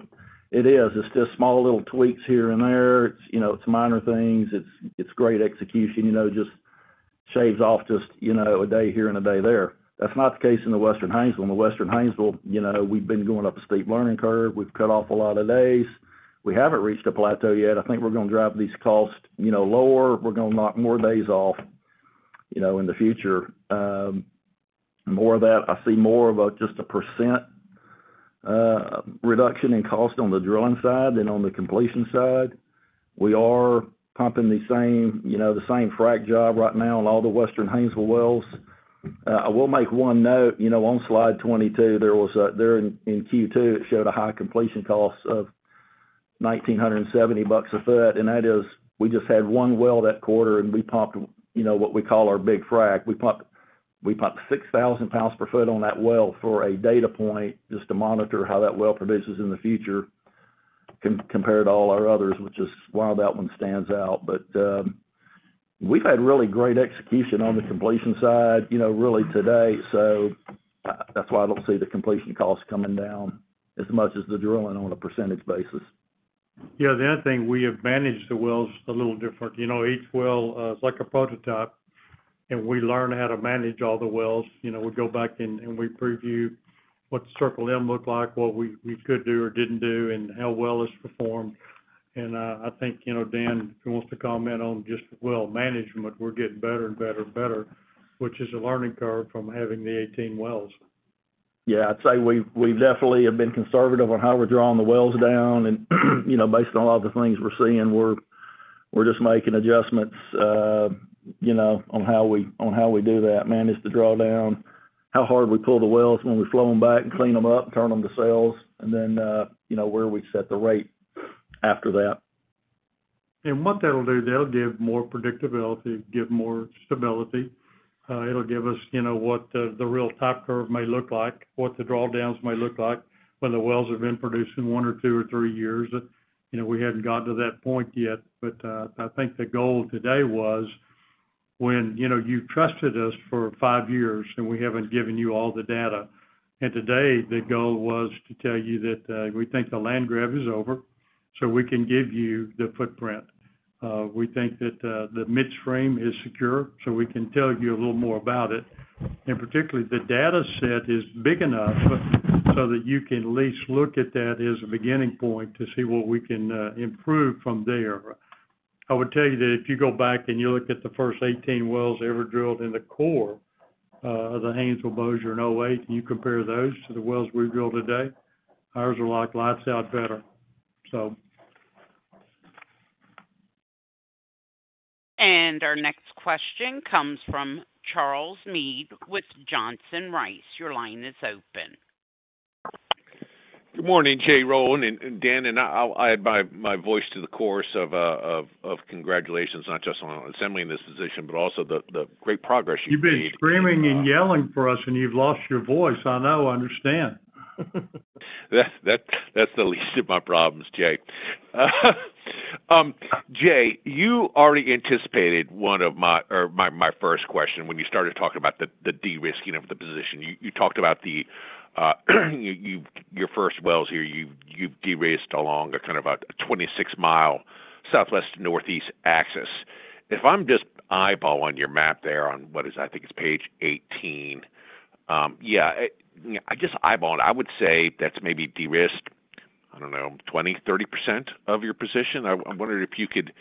it is, it's just small little tweaks here and there. You know, it's minor things, it's great execution. You know, just shaves off just, you know, a day here and a day there. That's not the case in the Western Haynesville. In the Western Haynesville, you know, we've been going up a steep learning curve. We've cut off a lot of days. We haven't reached a plateau yet. I think we're going to drive these costs, you know, lower. We're going to knock more days off, you know, in the future, more of that. I see more of just a percent. Reduction in cost on the drilling side than on the completion side. We are pumping the same, you know, the same frac job right now on all the Western Haynesville wells. I will make one note, you know, on slide 22. There, in Q2, it showed a high completion cost of $1,970 a foot. And that is, we just had one well that quarter and we pumped, you know, what we call our big frac. We pumped 6,000 lbs per foot on that well for a data point, just to monitor how that well produces in the future compared to all our others, which is why that one stands out. But we've had really great execution on the completion side, you know, really today. So that's why I don't see the completion costs coming down as much as the drilling on a percentage basis. Yeah, the other thing, we have managed the wells a little different. You know, each well is like a prototype and we learn how to manage all the wells. You know, we go back and we review what Circle M look like, what we could do or didn't do and how well it's performed. And I think, you know, Dan, who wants to comment on just well management? We're getting better and better and better, which is a learning curve from having the 18 wells. Yeah, I'd say we definitely have been conservative on how we're drawing the wells down and, you know, based on a lot of the things we're seeing, we're just making adjustments, you know, on how we do that, manage the drawdown, how hard we pull the wells when we flow them back and clean them up, turn them to sales, and then, you know, where we set the rate after that. And what that will do. They'll give more predictability, give more stability. It'll give us, you know, what the real type curve may look like, what the drawdowns may look like when the wells have been produced in one or two or three years. You know, we hadn't gotten to that point yet, but I think the goal today was when, you know, you trusted us for five years and we haven't given you all the data, and today the goal was to tell you that we think the land grab is over so we can give you the footprint. We think that the midstream is secure so we can tell you a little more about it, and particularly the data set is big enough so that you can at least look at that as a beginning point to see what we can improve. I would tell you that if you go back and you look at the first 18 wells ever drilled in the core of the Haynesville, Bossier in 2008, you compare those to the wells we drill today, ours are like, lights out better so. And our next question comes from Charles Meade with Johnson Rice. Your line is open. Good morning, Jay, Roland, and Dan. I'll add my voice to the chorus of congratulations not just on assembling this position, but also the great progress. You've been making screaming and yelling for us, and you've lost your voice. I know, I understand. That's the least of my problems. Jay. Jay, you already anticipated one of my first question when you started talking about the de-risking of the position. You talked about the. Your first wells here. You've de-risked along a kind of a 26 mi southwest-northeast axis. If I'm just eyeballing your map there on what is, I think it's page 18. Yeah, I just eyeball it. I would say that's maybe de-risked, I don't know, 20%-30% of your position. I'm wondering if you could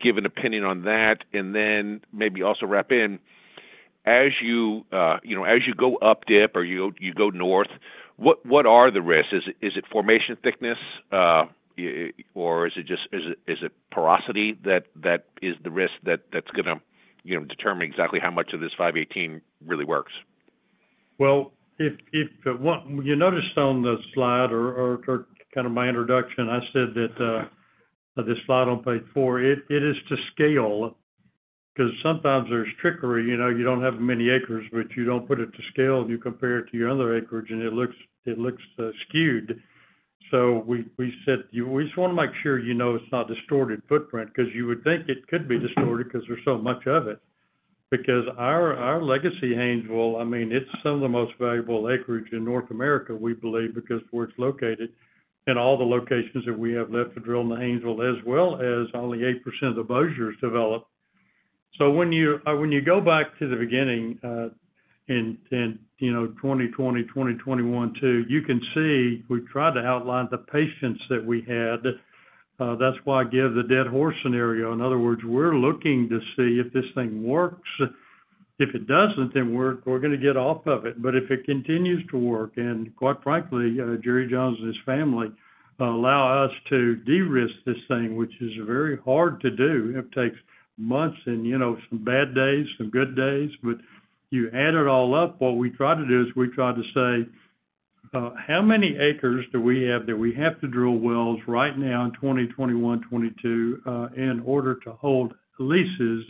give an opinion on that and then maybe also wrap in as you know, as you go up dip or you go north, what are the risks? Is it formation thickness or is it just, is it porosity? That is the risk that's going to determine exactly how much of this 518 really works? You noticed on the slide, or kind of my introduction, I said that this slide on page four, it is to scale because sometimes there's trickery. You know, you don't have many acres, but you don't put it to scale and you compare it to your other acreage and it looks skewed. We said we just want to make sure, you know, it's not distorted footprint, because you would think it could be distorted because there's so much of it, because our Legacy Haynesville, I mean, it's some of the most valuable acreage in North America, we believe, because where it's located in all the locations that we have left to drill in the Haynesville, as well as only 8% of the Bossier's developed. When you go back to the beginning in 2020, 2021 too, you can see we tried to outline the patience that we had. That's why I give the dead horse scenario. In other words, we're looking to see if this thing works. If it doesn't, then we're going to get off of it. But if it continues to work, and quite frankly, Jerry Jones and his family allow us to de-risk this thing, which is very hard to do. It takes months and, you know, some bad days, some good days, but you add it all up. What we try to do is we try to say how many acres do we have that we have to drill wells right now in 2021, 2022, in order to hold leases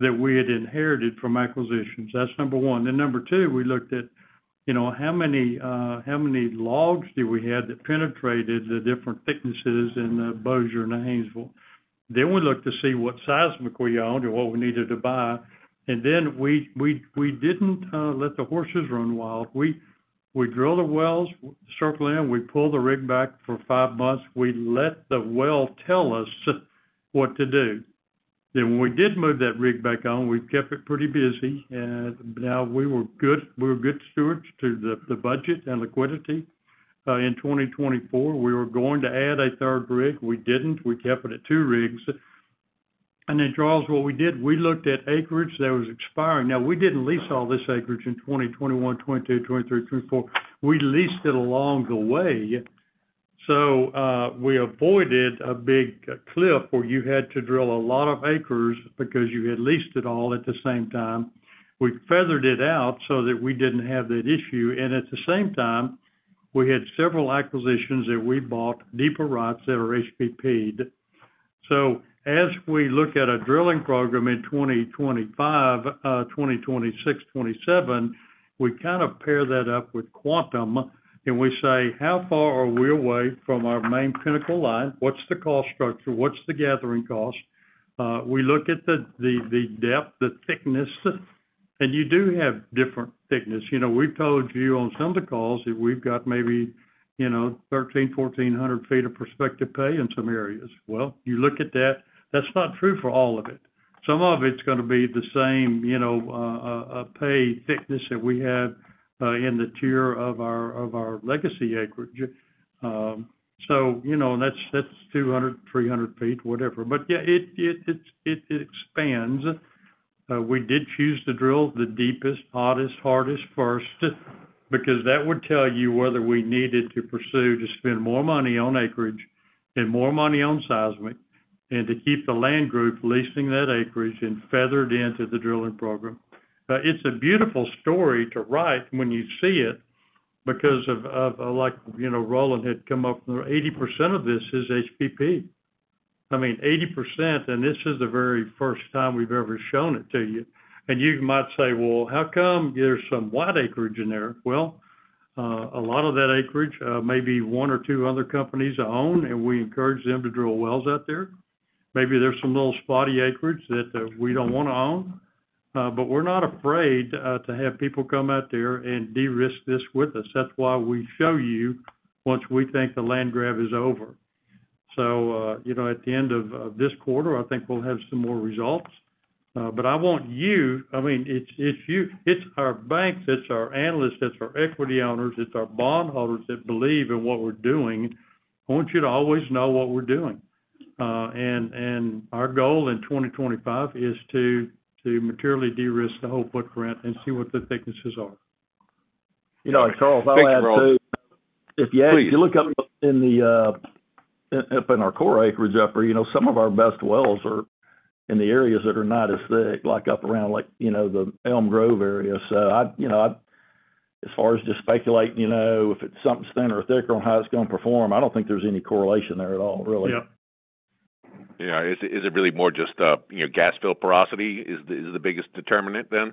that we had inherited from acquisitions. That's number one, and number two, we looked at, you know, how many logs do we have that penetrated the different thicknesses in the Bossier and the Haynesville? Then we looked to see what seismic we owned or what we needed to buy. And then we didn't let the horses run wild. We drill the wells, Circle M, we pull the rig back for five months, we let the well tell us what to do. Then when we did move that rig back on, we kept it pretty busy. Now we were good stewards to the budget and liquidity. In 2024, we were going to add a third rig. We didn't. We kept it at two rigs. And then, Charles, what we did, we looked at acreage that was expiring. Now, we didn't lease all this acreage in 2021, 2022, 2023, 2024. We leased it along the way, so we avoided a big clip where you had to drill a lot of acres because you had leased it all at the same time. We feathered it out so that we didn't have that issue and at the same time, we had several acquisitions that we bought, deeper routes that are HBP'd, so as we look at a drilling program in 2025, 2026, 2027, we kind of pair that up with Quantum and we say, how far are we away from our main Pinnacle line? What's the cost structure? What's the gathering cost? We look at the depth, the thickness, and you do have different thickness. You know, we've told you on some of the calls that we've got maybe, you know, 1,300 ft-1,400 ft of prospective pay in some areas, well, you look at that. That's not true for all of it. Some of it's going to be the same, you know, pay thickness that we have in the tier of our Legacy acreage, so, you know, that's 200 ft-300 ft, whatever. Yeah, it expands. We did choose to drill the deepest, hottest, hardest first, because that would tell you whether we needed to pursue to spend more money on acreage and more money on seismic and to keep the land group leasing that acreage and feathered into the drilling program. It's a beautiful story to write when you see it because of, like, Roland had come up. 80% of this is HBP. I mean, 80%. This is the very first time we've ever shown it to you. You might say, well, how come there's some white acreage in there? Well, a lot of that acreage, maybe one or two other companies own, and we encourage them to drill wells out there. Maybe there's some little spotty acreage that we don't want to own, but we're not afraid to have people come out there and de-risk this with us. That's why we show you once we think the land grab is over. So, you know, at the end of this quarter, I think we'll have some more results. But I want you. I mean, it's our banks, it's our analysts, it's our equity owners, it's our bondholders that believe in what we're doing. I want you to always know what we're doing. And our goal in 2025 is to materially de-risk the whole footprint and see what the thicknesses are. You know, Charles, I'll add too. If you look up. In our core acreage, upper you know, some of our best wells are in the areas that are not as thick, like up around, like, you know, the Elm Grove area. So I, you know, as far as just speculating, you know, if it's something thinner or thicker on how it's going to perform, I don't think there's any correlation there at all. Really. Yeah, yeah. Is it really more just, you know, gas fill porosity is the biggest determinant? Then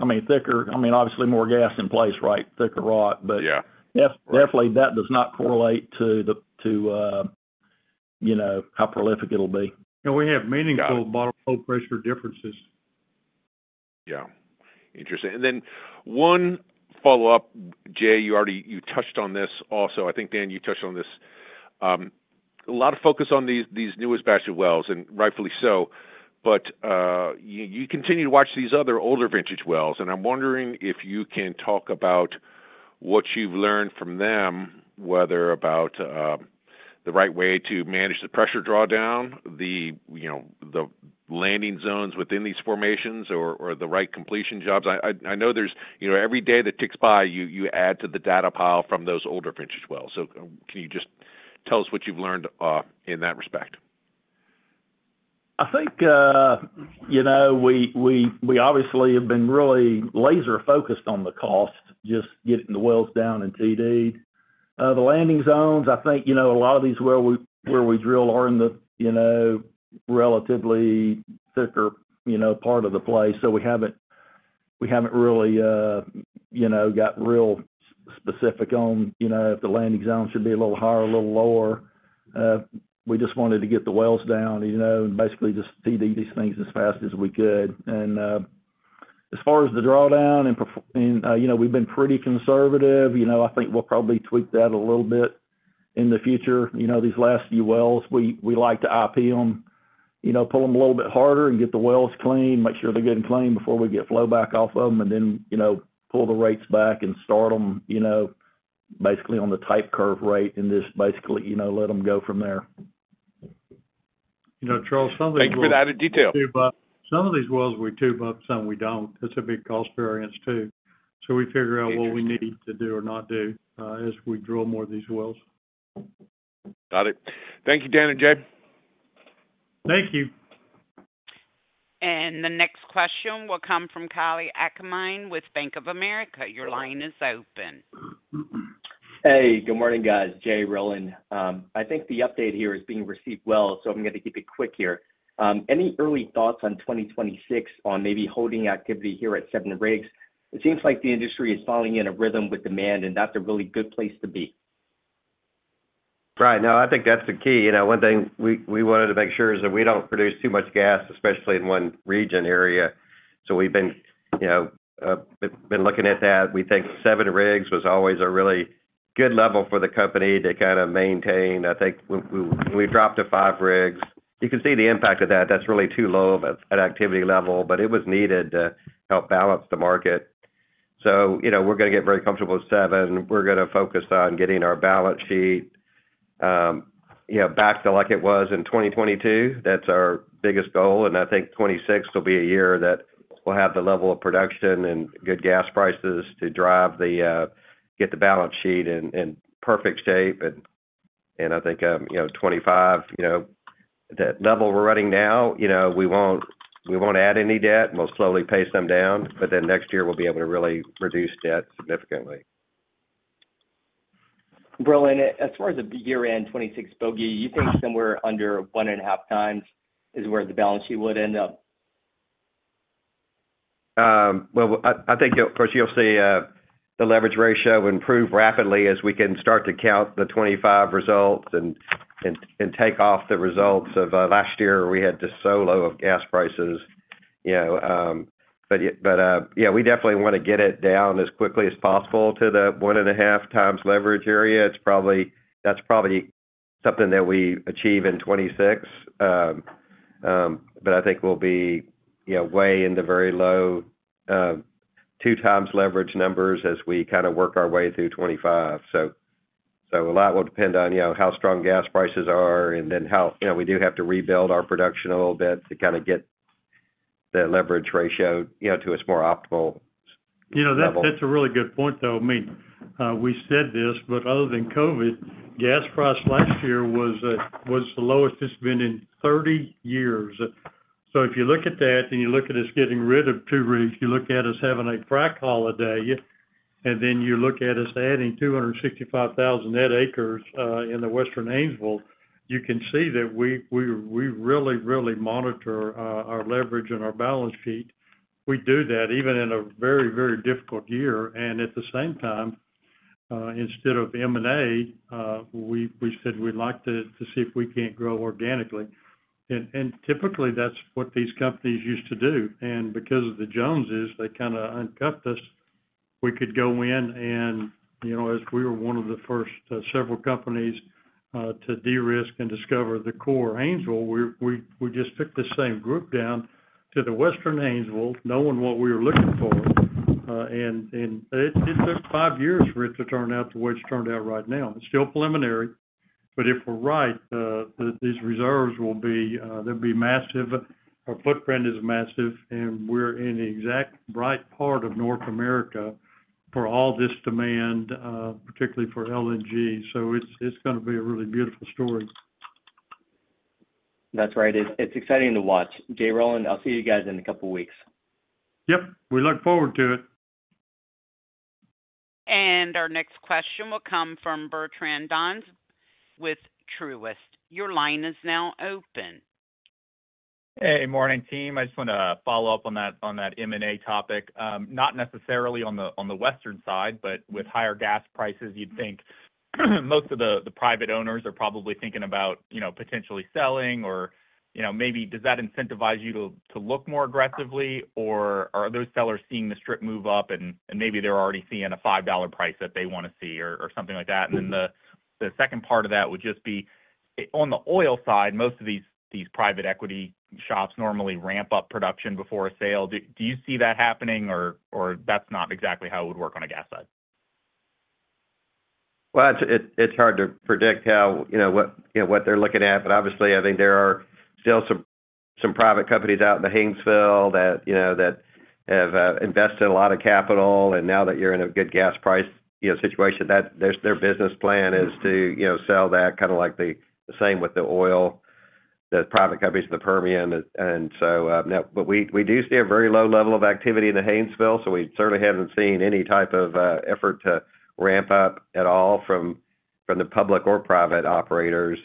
I mean, thicker. I mean, obviously more gas in place. Right. Thicker rock. But yeah, definitely that does not correlate to the, to. How prolific it'll be. We have meaningful bottomhole pressure differences. Yeah, interesting, and then one follow up. Jay, you touched on this also. I think, Dan, you touched on this. A lot of focus on these newest batch of wells and rightfully so, but you continue to watch these other older vintage wells and I'm wondering if you can talk about what you've learned from them, whether about the right way to manage the pressure drawdown, the, you know, the landing zones within these formations, or the right completion jobs. I know there's, you know, every day that ticks by, you add to the data pile from those older finished wells, so can you just tell us what you've learned in that respect? I think, you know, we obviously have been really laser focused on the cost, just getting the wells down and TD the landing zones. I think, you know, a lot of these wells where we drill are in the, you know, relatively thicker, you know, part of the play. So we haven't really, you know, got real specific on, you know, if the landing zone should be a little higher or a little lower. We just wanted to get the wells down, you know, and basically just TD these things as fast as we could. As far as the drawdown, we've been pretty conservative. I think we'll probably tweak that a little bit in the future. These last few wells, we like to IP them, pull them a little bit harder and get the wells clean, make sure they're good and clean before we get flowback off of them and then pull the rates back and start them basically on the type curve rate and just basically let them go from there. You know, Charles, thank you for the added detail. Some of these wells we tube up, some we don't. That's a big cost variance too. So we figure out what we need to do or not do as we drill more of these wells. Got it. Thank you, Dan and Jay. Thank you. The next question will come from Kalei Akamine with Bank of America. Your line is open. Hey, good morning guys, Jay and Roland. I think the update here is being received well so I'm going to keep it quick here. Any early thoughts on 2026, on maybe holding activity here at seven rigs? It seems like the industry is falling. In a rhythm with demand and that's a really good place to be. Right. No, I think that's the key. You know, one thing we wanted to make sure is that we don't produce too much gas, especially in one region area. So we've been, you know, looking at that. We think seven rigs was always a really good level for the company to kind of maintain. I think when we dropped to five rigs you can see the impact of that. That's really too low at activity level but it was needed to help balance the market. So we're going to get very comfortable with seven. We're going to focus on getting our balance sheet. Back to like it was in 2022. That's our biggest goal. I think 2026 will be a year that will have the level of production and good gas prices to drive to get the balance sheet in perfect shape. I think you know, 2025, you know, that level we're running now, you know, we won't add any debt and we'll slowly pace them down but then next year we'll be able to really reduce debt significantly. Brilliant. As far as the year-end 2026 bogey, you think somewhere under 1.5x is where the balance sheet would end up? I think of course you'll see the leverage ratio improve rapidly as we can start to count the 2025 results and take off the results of last year we had just so low of gas prices. But yeah, we definitely want to get it down as quickly as possible to the 1.5x leverage area. That's probably something that we achieve in 2026. But I think we'll be way in the very low 2x leverage numbers as we kind of work our way through 2025. So a lot will depend on how strong gas prices are and then how we do have to rebuild our production a little bit to kind of get the leverage ratio to its more optimal level. That's a really good point though. We said this, but other than COVID, gas price last year was the lowest it's been in 30 years. So if you look at that and you look at us getting rid of two rigs, you look at us having a frac holiday and then you look at us adding 265,000 net acres in the Western Haynesville. You can see that we really, really monitor our leverage and our balance sheet. We do that even in a very, very difficult year. And at the same time, instead of M&A, we said we'd like to see if we can't grow organically. And typically that's what these companies used to do. And because of the Joneses, they kind of uncuffed us. We could go in and, you know, as we were one of the first several companies to de-risk and discover the core Haynesville. We just took the same group down to the Western Haynesville, knowing what we were looking for. And it took five years for it to turn out the way it's turned out. Right now, it's still preliminary, but if we're right, these reserves will be. They'll be massive. Our footprint is massive and we're in the exact right part of North America for all this demand, particularly for LNG. So it's going to be a really beautiful story. That's right. It's exciting to watch. Jay Allison. I'll see you guys in a couple weeks. Yep, we look forward to it. Our next question will come from Bertrand Donnes with Truist. Your line is now open. Hey, morning, team. I just want to follow up on that M&A topic not necessarily on the western side, but with higher gas prices, you'd think most of the private owners are probably thinking about potentially selling or maybe does that incentivize you to look more aggressively or are those sellers seeing the strip move up and maybe they're already seeing a $5 price that they want to or something like that. And then the second part of that would just be on the oil side. Most of these private equity shops normally ramp up production before a sale. Do you see that happening? Or that's not exactly how it would work on a gas side? It's hard to predict what they're looking at, but obviously I think there are still some private companies out in the Haynesville that have invested a lot of capital and now that you're in a good gas price situation, their business plan is to sell that. Kind of like the same with the oil, the private companies in the Permian, but we do see a very low level of activity in the Haynesville. So we certainly haven't seen any type of effort to ramp up at all from the public or private operators.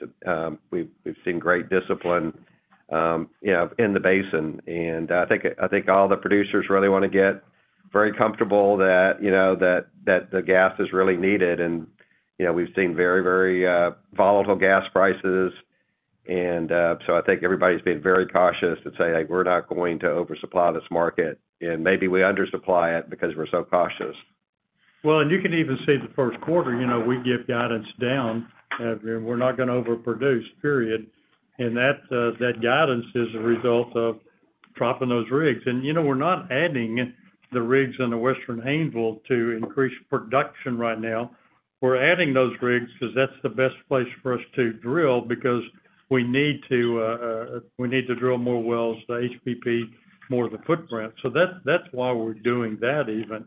We've seen great discipline in the basin and I think all the producers really want to get very comfortable that, you know, that the gas is really needed and, you know, we've seen very, very volatile gas prices. I think everybody's been very cautious and say we're not going to oversupply this market and maybe we under supply it because we're so cautious. Well, and you can even see the first quarter, you know, we give guidance down, we're not going to overproduce, period. And that guidance is a result of dropping those rigs. And you know, we're not adding the rigs in the Western Haynesville to increase production right now, we're adding those rigs because that's the best place for us to drill because we need to, we need to drill more wells, the HBP, more the footprint. So that, that's why we're doing that. Even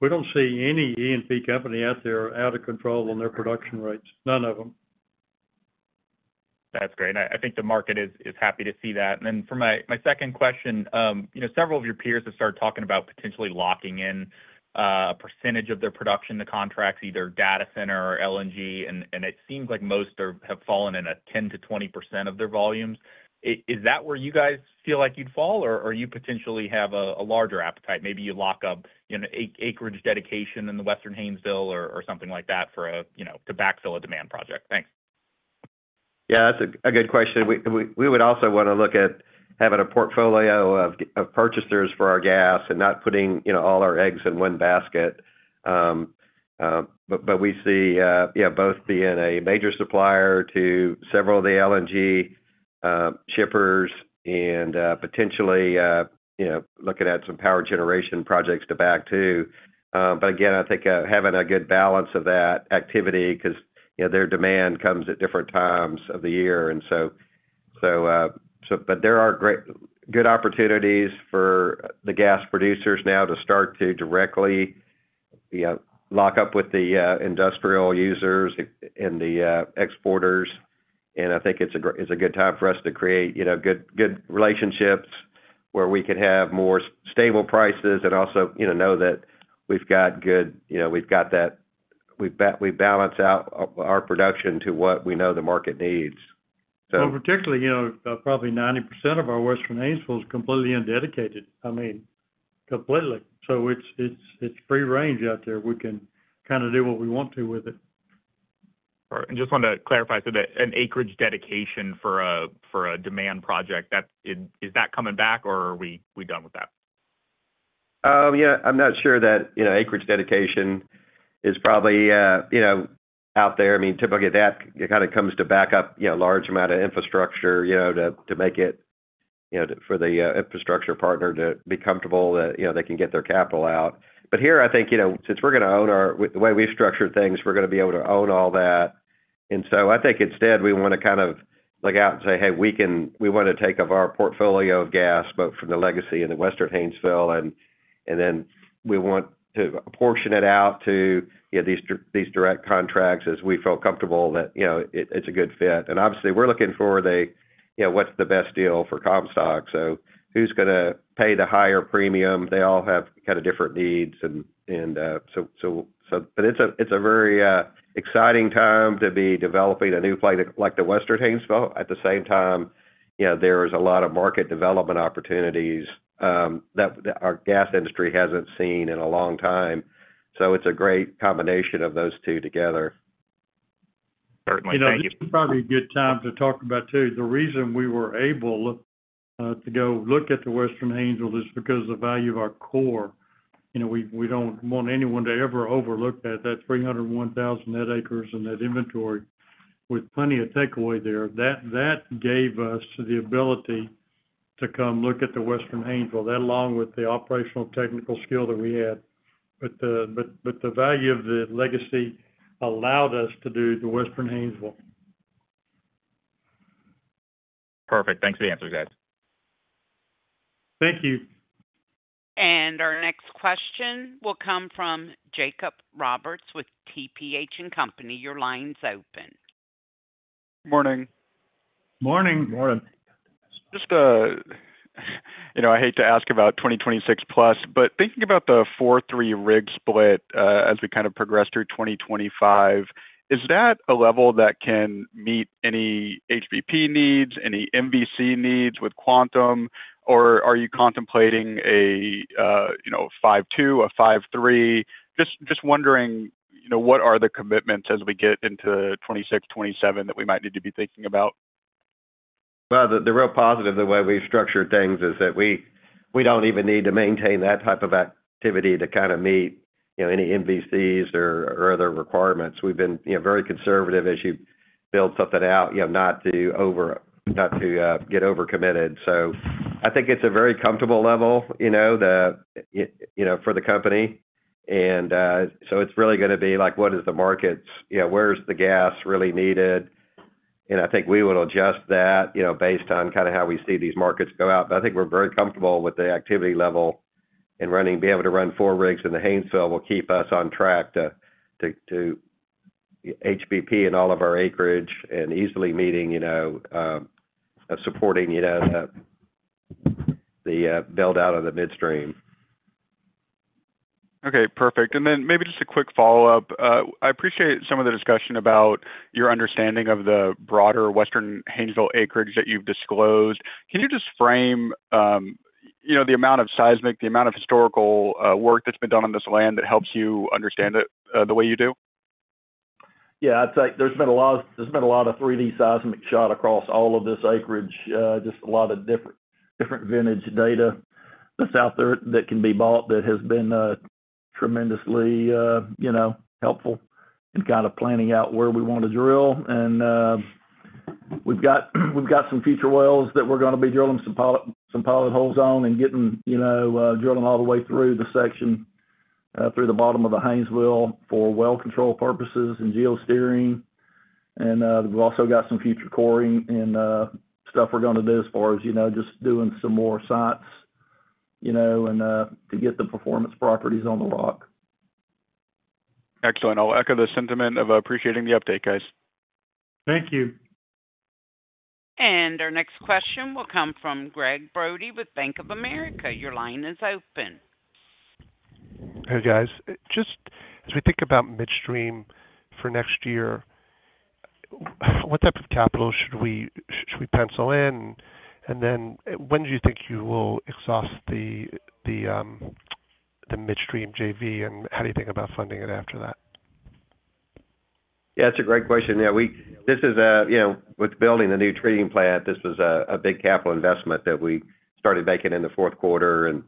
we don't see any E&P company out there out of control on their production rates. None of them. That's great. I think the market is happy to see that. And then for my second question, several of your peers have started talking about potentially locking in a percentage of their production to contracts, either data center or LNG. And it seems like most have fallen in a 10%-20% of their volumes. Is that where you guys feel like you'd fall or you potentially have a larger appetite? Maybe you lock up acreage dedication in the Western Haynesville or something like that to backfill a demand project. Thanks. Yeah, that's a good question. We would also want to look at having a portfolio of purchasers for our gas and not putting all our eggs in one basket. But we see both being a major supplier to several of the LNG shippers and potentially looking at some power generation projects to back to. But again, I think having a good balance of that activity because their demand comes at different times of the year and so. But there are good opportunities for the gas producers now to start to directly lock up with the industrial users and the exporters. And I think it's a good time for us to create good relationships where we can have more stable prices and also know that we've got good, you know, that we balance out our production to what we know the market needs. Particularly you know, probably 90% of our Western Haynesville is completely undedicated, I mean completely, so it's free range out there. We can kind of do what we want to with it. Just wanted to clarify an acreage dedication for a demand project. Is that coming back or are we done with that? I'm not sure that acreage dedication is probably out there. Typically that comes to back up large amount of infrastructure to make it for the infrastructure partner to be comfortable that they can get their capital out. But here, I think since we're going to own the way we've structured things, we're going to be able to own all that. I think instead we want to look out and say, hey, we want to take up our portfolio of gas, both from the Legacy and the Western Haynesville, and then we want to portion it out to these direct contracts as we felt comfortable that it's a good fit and obviously we're looking for what's the best deal for Comstock. So who's going to pay the higher premium? They all have kind of different needs. But it's a very exciting time to be developing a new play like the Western Haynesville. At the same time, you know, there is a lot of market development opportunities that our gas industry hasn't seen in a long time. So it's a great combination of those two together. Certainly. Thank you. Probably a good time to talk about too. The reason we were able to go look at the Western Haynesville is because the value of our core, you know, we don't want anyone to ever overlook that, that 301,000 net acres and that inventory with plenty of takeaway there, that gave us the ability to come look at the Western Haynesville. That along with the operational technical skill that we had. But the value of the Legacy allowed us to do the Western Haynesville. Perfect.Thanks for the answer, guys. Thank you. And our next question will come from Jacob Roberts with TPH & Company. Your line's open. Morning. Morning. Morning. Just, you know, I hate to ask about 2026 plus, but thinking about the 4-3 rig split as we kind of progress through 2025, is that a level that can meet any HBP needs, any MVC needs with Quantum? Or are you contemplating a 5.2x, a 5.3x? Just wondering what are the commitments as we get into 2026, 2027 that we might need to be thinking about? The real positive, the way we structured things is that we don't even need to maintain that type of activity to kind of meet any MVCs or other requirements. We've been very conservative as you build something out not to over, not to get over committed. I think it's a very comfortable level, you know, for the company. It's really going to be like, what is the markets? Where's the gas really needed? I think we will adjust that based on kind of how we see these markets go out. I think we're very comfortable with the activity level and running, be able to run four rigs in the Haynesville will keep us on track to HBP. In all of our acreage and easily meeting, you know, supporting, you know. The build out of the midstream. Okay, perfect. Then maybe just a quick follow up. I appreciate some of the discussion about your understanding of the broader Western Haynesville acreage that you've disclosed. Can you just frame, you know, the amount of seismic, the amount of historical work that's been done on this land that helps you understand it the way you do? Yeah, I'd say there's been a lot of 3D seismic shot across all of this acreage. Just a lot of different vintage data that's out there that can be bought that has been tremendously, you know, helpful in kind of planning out where we want to drill. And we've got some future wells that we're going to be drilling some pilot holes on and getting, you know, drilling all the way through the section, through the bottom of the Haynesville for well control purposes and geosteering. And we've also got some future coring and stuff we're going to do as far as, you know, just doing some more sites, you know, and to get the performance properties on the rock. Excellent. I'll echo the sentiment of appreciating the update, guys. Thank you. Our next question will come from Gregg Brody with Bank of America. Your line is open. Hey guys, just as we think about midstream for next year. What type of capital should we pencil in and then when do you think you will exhaust the midstream JV and how do you think about funding it after that? Yeah, that's a great question. This is with building a new treating plant. This was a big capital investment that we started making in the fourth quarter and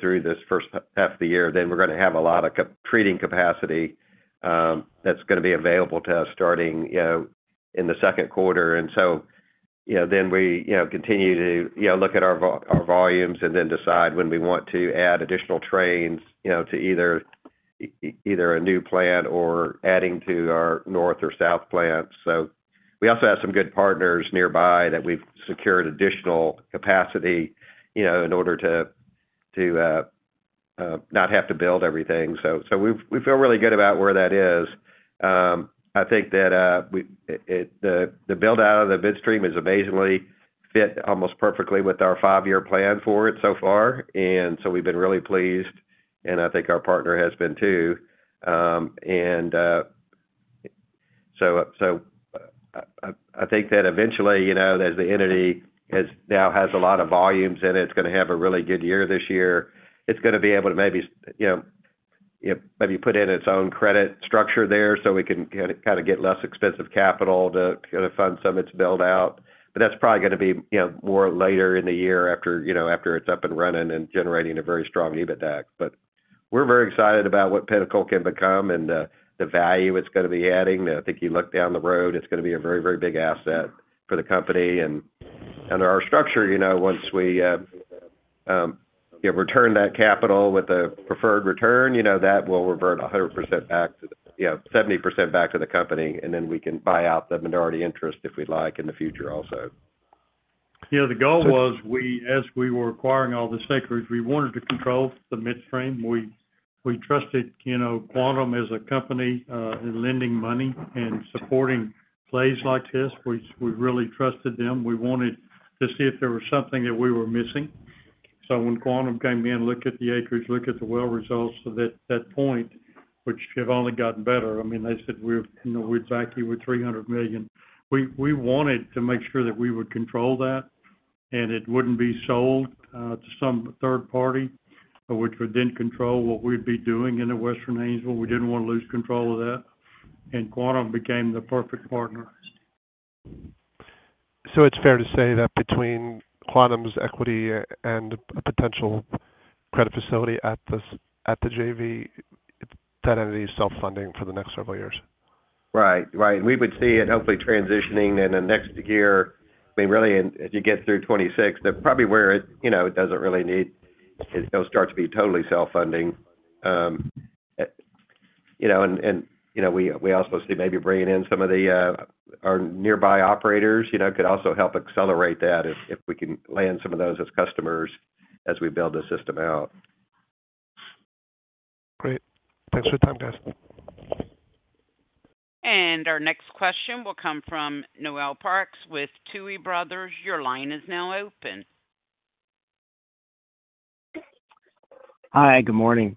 through this first half of the year. Then we're going to have a lot of treating capacity that's going to be available to us starting in the second quarter. Then we continue to look at our volumes and then decide when we want to add additional trains to either a new plant or adding to our north or south plant. We also have some good partners nearby that we've secured additional capacity in order to. Not have to build everything. So we feel really good about where that is. I think that. The build-out of the midstream fits amazingly, almost perfectly, with our five-year plan for it so far, and so we've been really pleased, and I think our partner has been too. So I think that eventually, as the entity now has a lot of volumes in it, it's going to have a really good year this year. It's going to be able to. Maybe put in its own credit structure there so we can kind of get less expensive capital to fund some of its build out. But that's probably going to be more later in the year after it's up and running and generating a very strong EBITDA. But we're very excited about what Pinnacle can become and the value it's going to be adding. I think you look down the road, it's going to be a very, very big asset for the company. And under our structure, you know, once we return that capital with a preferred return, you know, that will revert 100% back, 70% back to the company and then we can buy out the minority interest if we'd like in the future. Also. Yeah, the goal was as we were acquiring all the stake, we wanted to control the midstream. We trusted Quantum as a company lending money and supporting plays like this. We really trusted them. We wanted to see if there was something that we were missing. So when Quantum came in, look at the acreage, look at the well results, that point which have only gotten better. I mean, they said we're back here with 300 million. We wanted to make sure that we would control that and it wouldn't be sold to some third party which didn't control what we'd be doing in the Western Haynesville. We didn't want to lose control of that, and Quantum became the perfect partner. So it's fair to say that between Quantum's equity and a potential credit facility at the JV, that entity is self funding for the next several years. Right, right. We would see it hopefully transitioning in the next year. I mean, really, as you get through 2026, that probably where it, you know, it doesn't really need. It'll start to be totally self funding. You know, and you know, we also see maybe bringing in some of the nearby operators, you know, could also help accelerate that if we can land some of those as customers as we build the system out. Great, thanks for your time, guys. Our next question will come from Noel Parks with Tuohy Brothers. Your line is now open. Hi, good morning.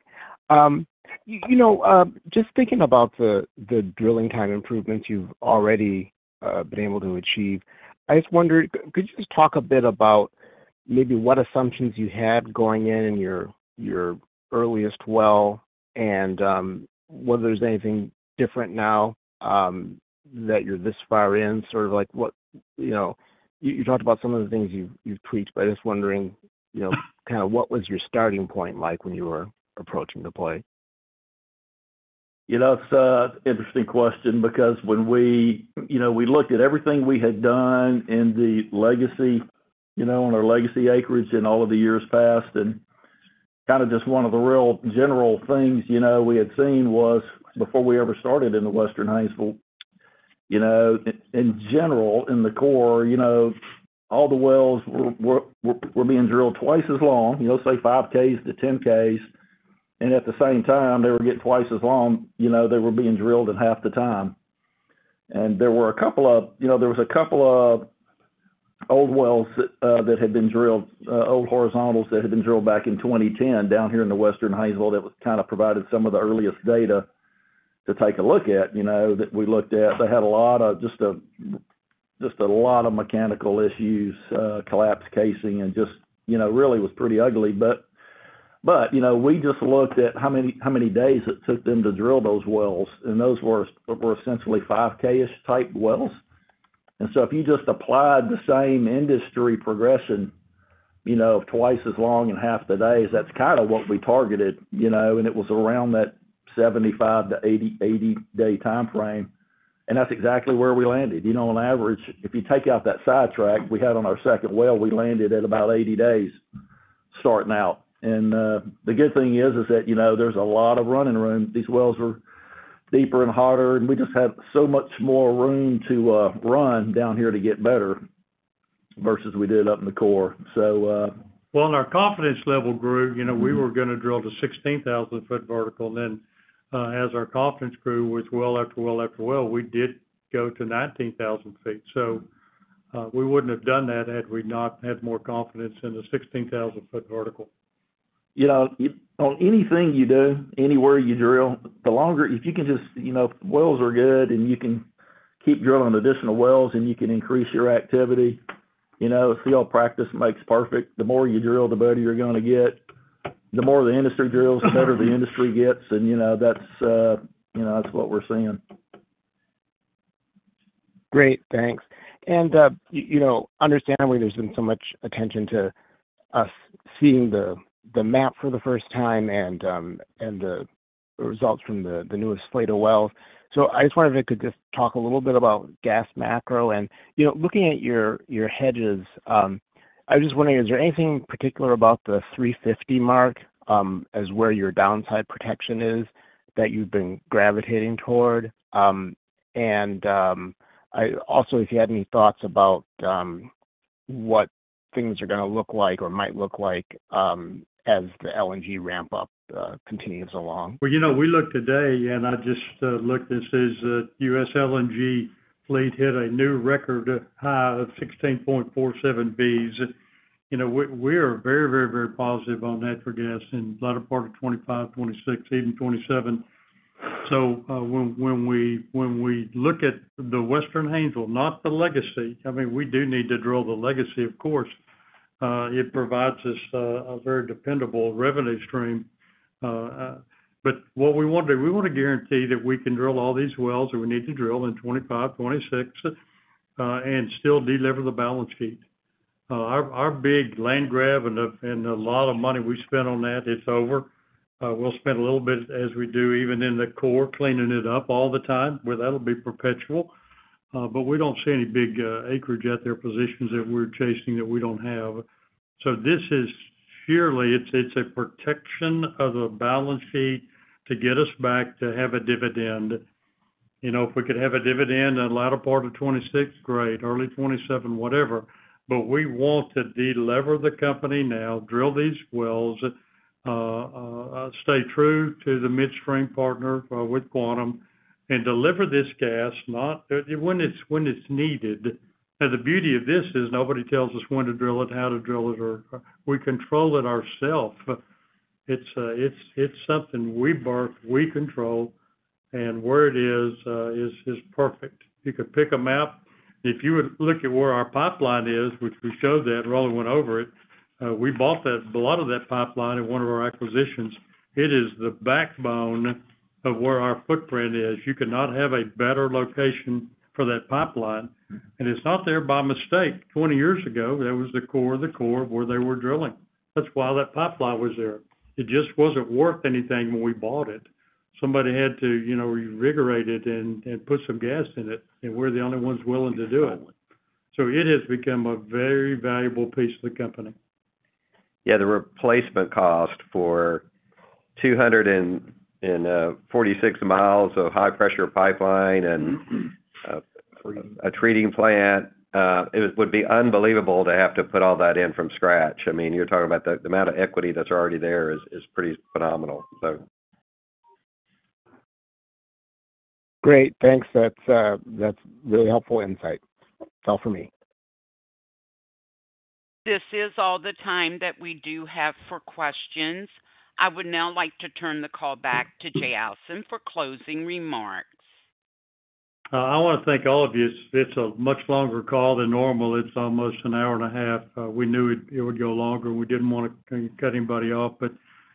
You know, just thinking about the drilling time improvements you've already been able to achieve, I just wondered, could you just talk a bit about maybe what assumptions you had going in in your earliest well and whether there's anything different now that you're this far in sort of like what you know, you talked about some of the things you've tweaked, but I'm wondering, you know, kind of what was your starting point like when you were approaching the play. You know, it's an interesting question because when we, you know, we looked at everything we had done in the legacy, you know, on our legacy acreage in all of the years past and kind of just one of the real general things, you know, we had seen was before we ever started in the Western Haynesville, you know, in general, in the core, you know, all the wells were being drilled twice as long, you know, say 5,000 ft-10,000 ft, and at the same time they were getting twice as long, you know, they were being drilled in half the time. There were a couple of old wells that had been drilled, old horizontals that had been drilled back in 2010 down here in the Western Haynesville that was kind of provided some of the earliest data to take a look at. You know, that we looked at. They had a lot of mechanical issues, collapsed casing and just, you know, really was pretty ugly. But you know, we just looked at how many days it took them to drill those wells. And those were essentially 5,000-ish ft type wells. And so if you just applied the same industry progression of twice as long in half the days, that's kind of what we targeted. And it was around that 75-80 day time frame. And that's exactly where we landed. On average, if you take out that sidetrack we had on our second well, we landed at about 80 days starting out. The good thing is that there's a lot of running room. These wells are deeper and hotter and we just have so much more room to run down here to get better versus we did up in the core. So. Our confidence level grew. You know, we were going to drill to 16,000-foot vertical. As our confidence grew with well after well after well, we did go to 19,000 ft. We wouldn't have done that had we not had more confidence in the 16,000 ft vertical. You know, on anything you do, anywhere you drill, the longer if you can just, you know, wells are good and you can keep drilling additional wells and you can increase your activity. You know, field practice makes perfect. The more you drill, the better you're going to get. The more the industry drills, the better the industry gets, and you know, that's, you know, that's what we're seeing. Great, thanks. And you know, understandably there's been so much attention to us seeing the map for the first time and the results from the newest slate of wells. So I just wonder if I could just talk a little bit about gas macro and looking at your hedges, I was just wondering, is there anything particular about the 350 mark as where your downside protection is that you've been gravitating toward, and also if you had any thoughts about. What things are going to look like or might look like as the LNG ramp up continues along? You know, we look today and I just looked and it says the U.S. LNG fleet hit a new record high of 16.47 Bcf. You know, we are very, very, very positive on natural gas in the latter part of 2025, 2026, even 2027. So when we look at the Western Haynesville, not the Legacy, I mean, we do need to drill the Legacy, of course, it provides us a very dependable revenue stream. But what we want to do, we want to guarantee that we can drill all these wells that we need to drill in 2025, 2026 and still deliver the balance sheet. Our big land grab and a lot of money we spent on that, it's over. We'll spend a little bit as we do even in the core, cleaning it up all the time where that'll be perpetual. But we don't see any big acreage out there, positions that we're chasing that we don't have. So this is surely it's a protection of the balance sheet to get us back to have a dividend. You know, if we could have a dividend in the latter part of 2026, great, early 2027, whatever. But we want to delever the company now, drill these wells. Stay true to the midstream, partner with Quantum and deliver this gas when it's needed. Now the beauty of this is nobody tells us when to drill it, how to drill it, or we control it ourselves. It's something we own, we control. And where it is is perfect. You could pick a map if you would look at where our pipeline is, which we showed that Roland went over it. We bought a lot of that pipeline in one of our acquisitions. It is the backbone of where our footprint is. You could not have a better location for that pipeline. And it's not there by mistake. 20 years ago, that was the core of the core where they were drilling. That's why that pipeline was there. It just wasn't worth anything when we bought it. Somebody had to, you know, reinvigorate it and put some gas in it. And we're the only ones willing to do it. So it has become a very valuable piece of the company. Yeah. The replacement cost for 246 mi of high-pressure pipeline and. A treating plant. It would be unbelievable to have to put all that in from scratch. I mean, you're talking about the amount of equity that's already there is pretty phenomenal. Great, thanks. That's really helpful insight. That's all for me. This is all the time that we do have for questions. I would now like to turn the call back to Jay Allison for closing remarks. I want to thank all of you. It's a much longer call than normal. It's almost an hour and a half. We knew it would go longer. We didn't want to cut anybody off. But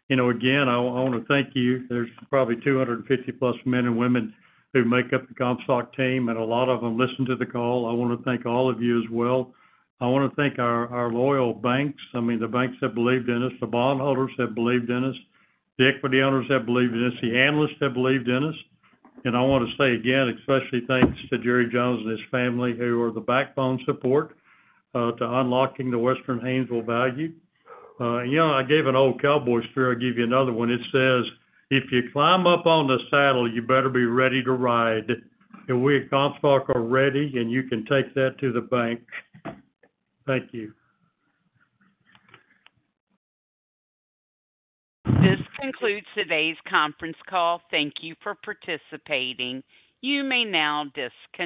you know, again, I want to thank you. There's probably 250+ men and women who make up the Comstock team. And a lot of them listen to the call. I want to thank all of you as well. I want to thank our loyal banks. I mean, the banks have believed in us. The bondholders have believed in us. The equity owners have believed in us. The analysts have believed in us. And I want to say again, especially thanks to Jerry Jones and his family who are the backbone support to unlocking the Western Haynesville value. You know, I gave an old cowboy spirit. I'll give you another one. It says if you climb up on the saddle, you better be ready to ride, and we at Comstock are ready, and you can take that to the bank. Thank you. This concludes today's conference call. Thank you for participating. You may now disconnect.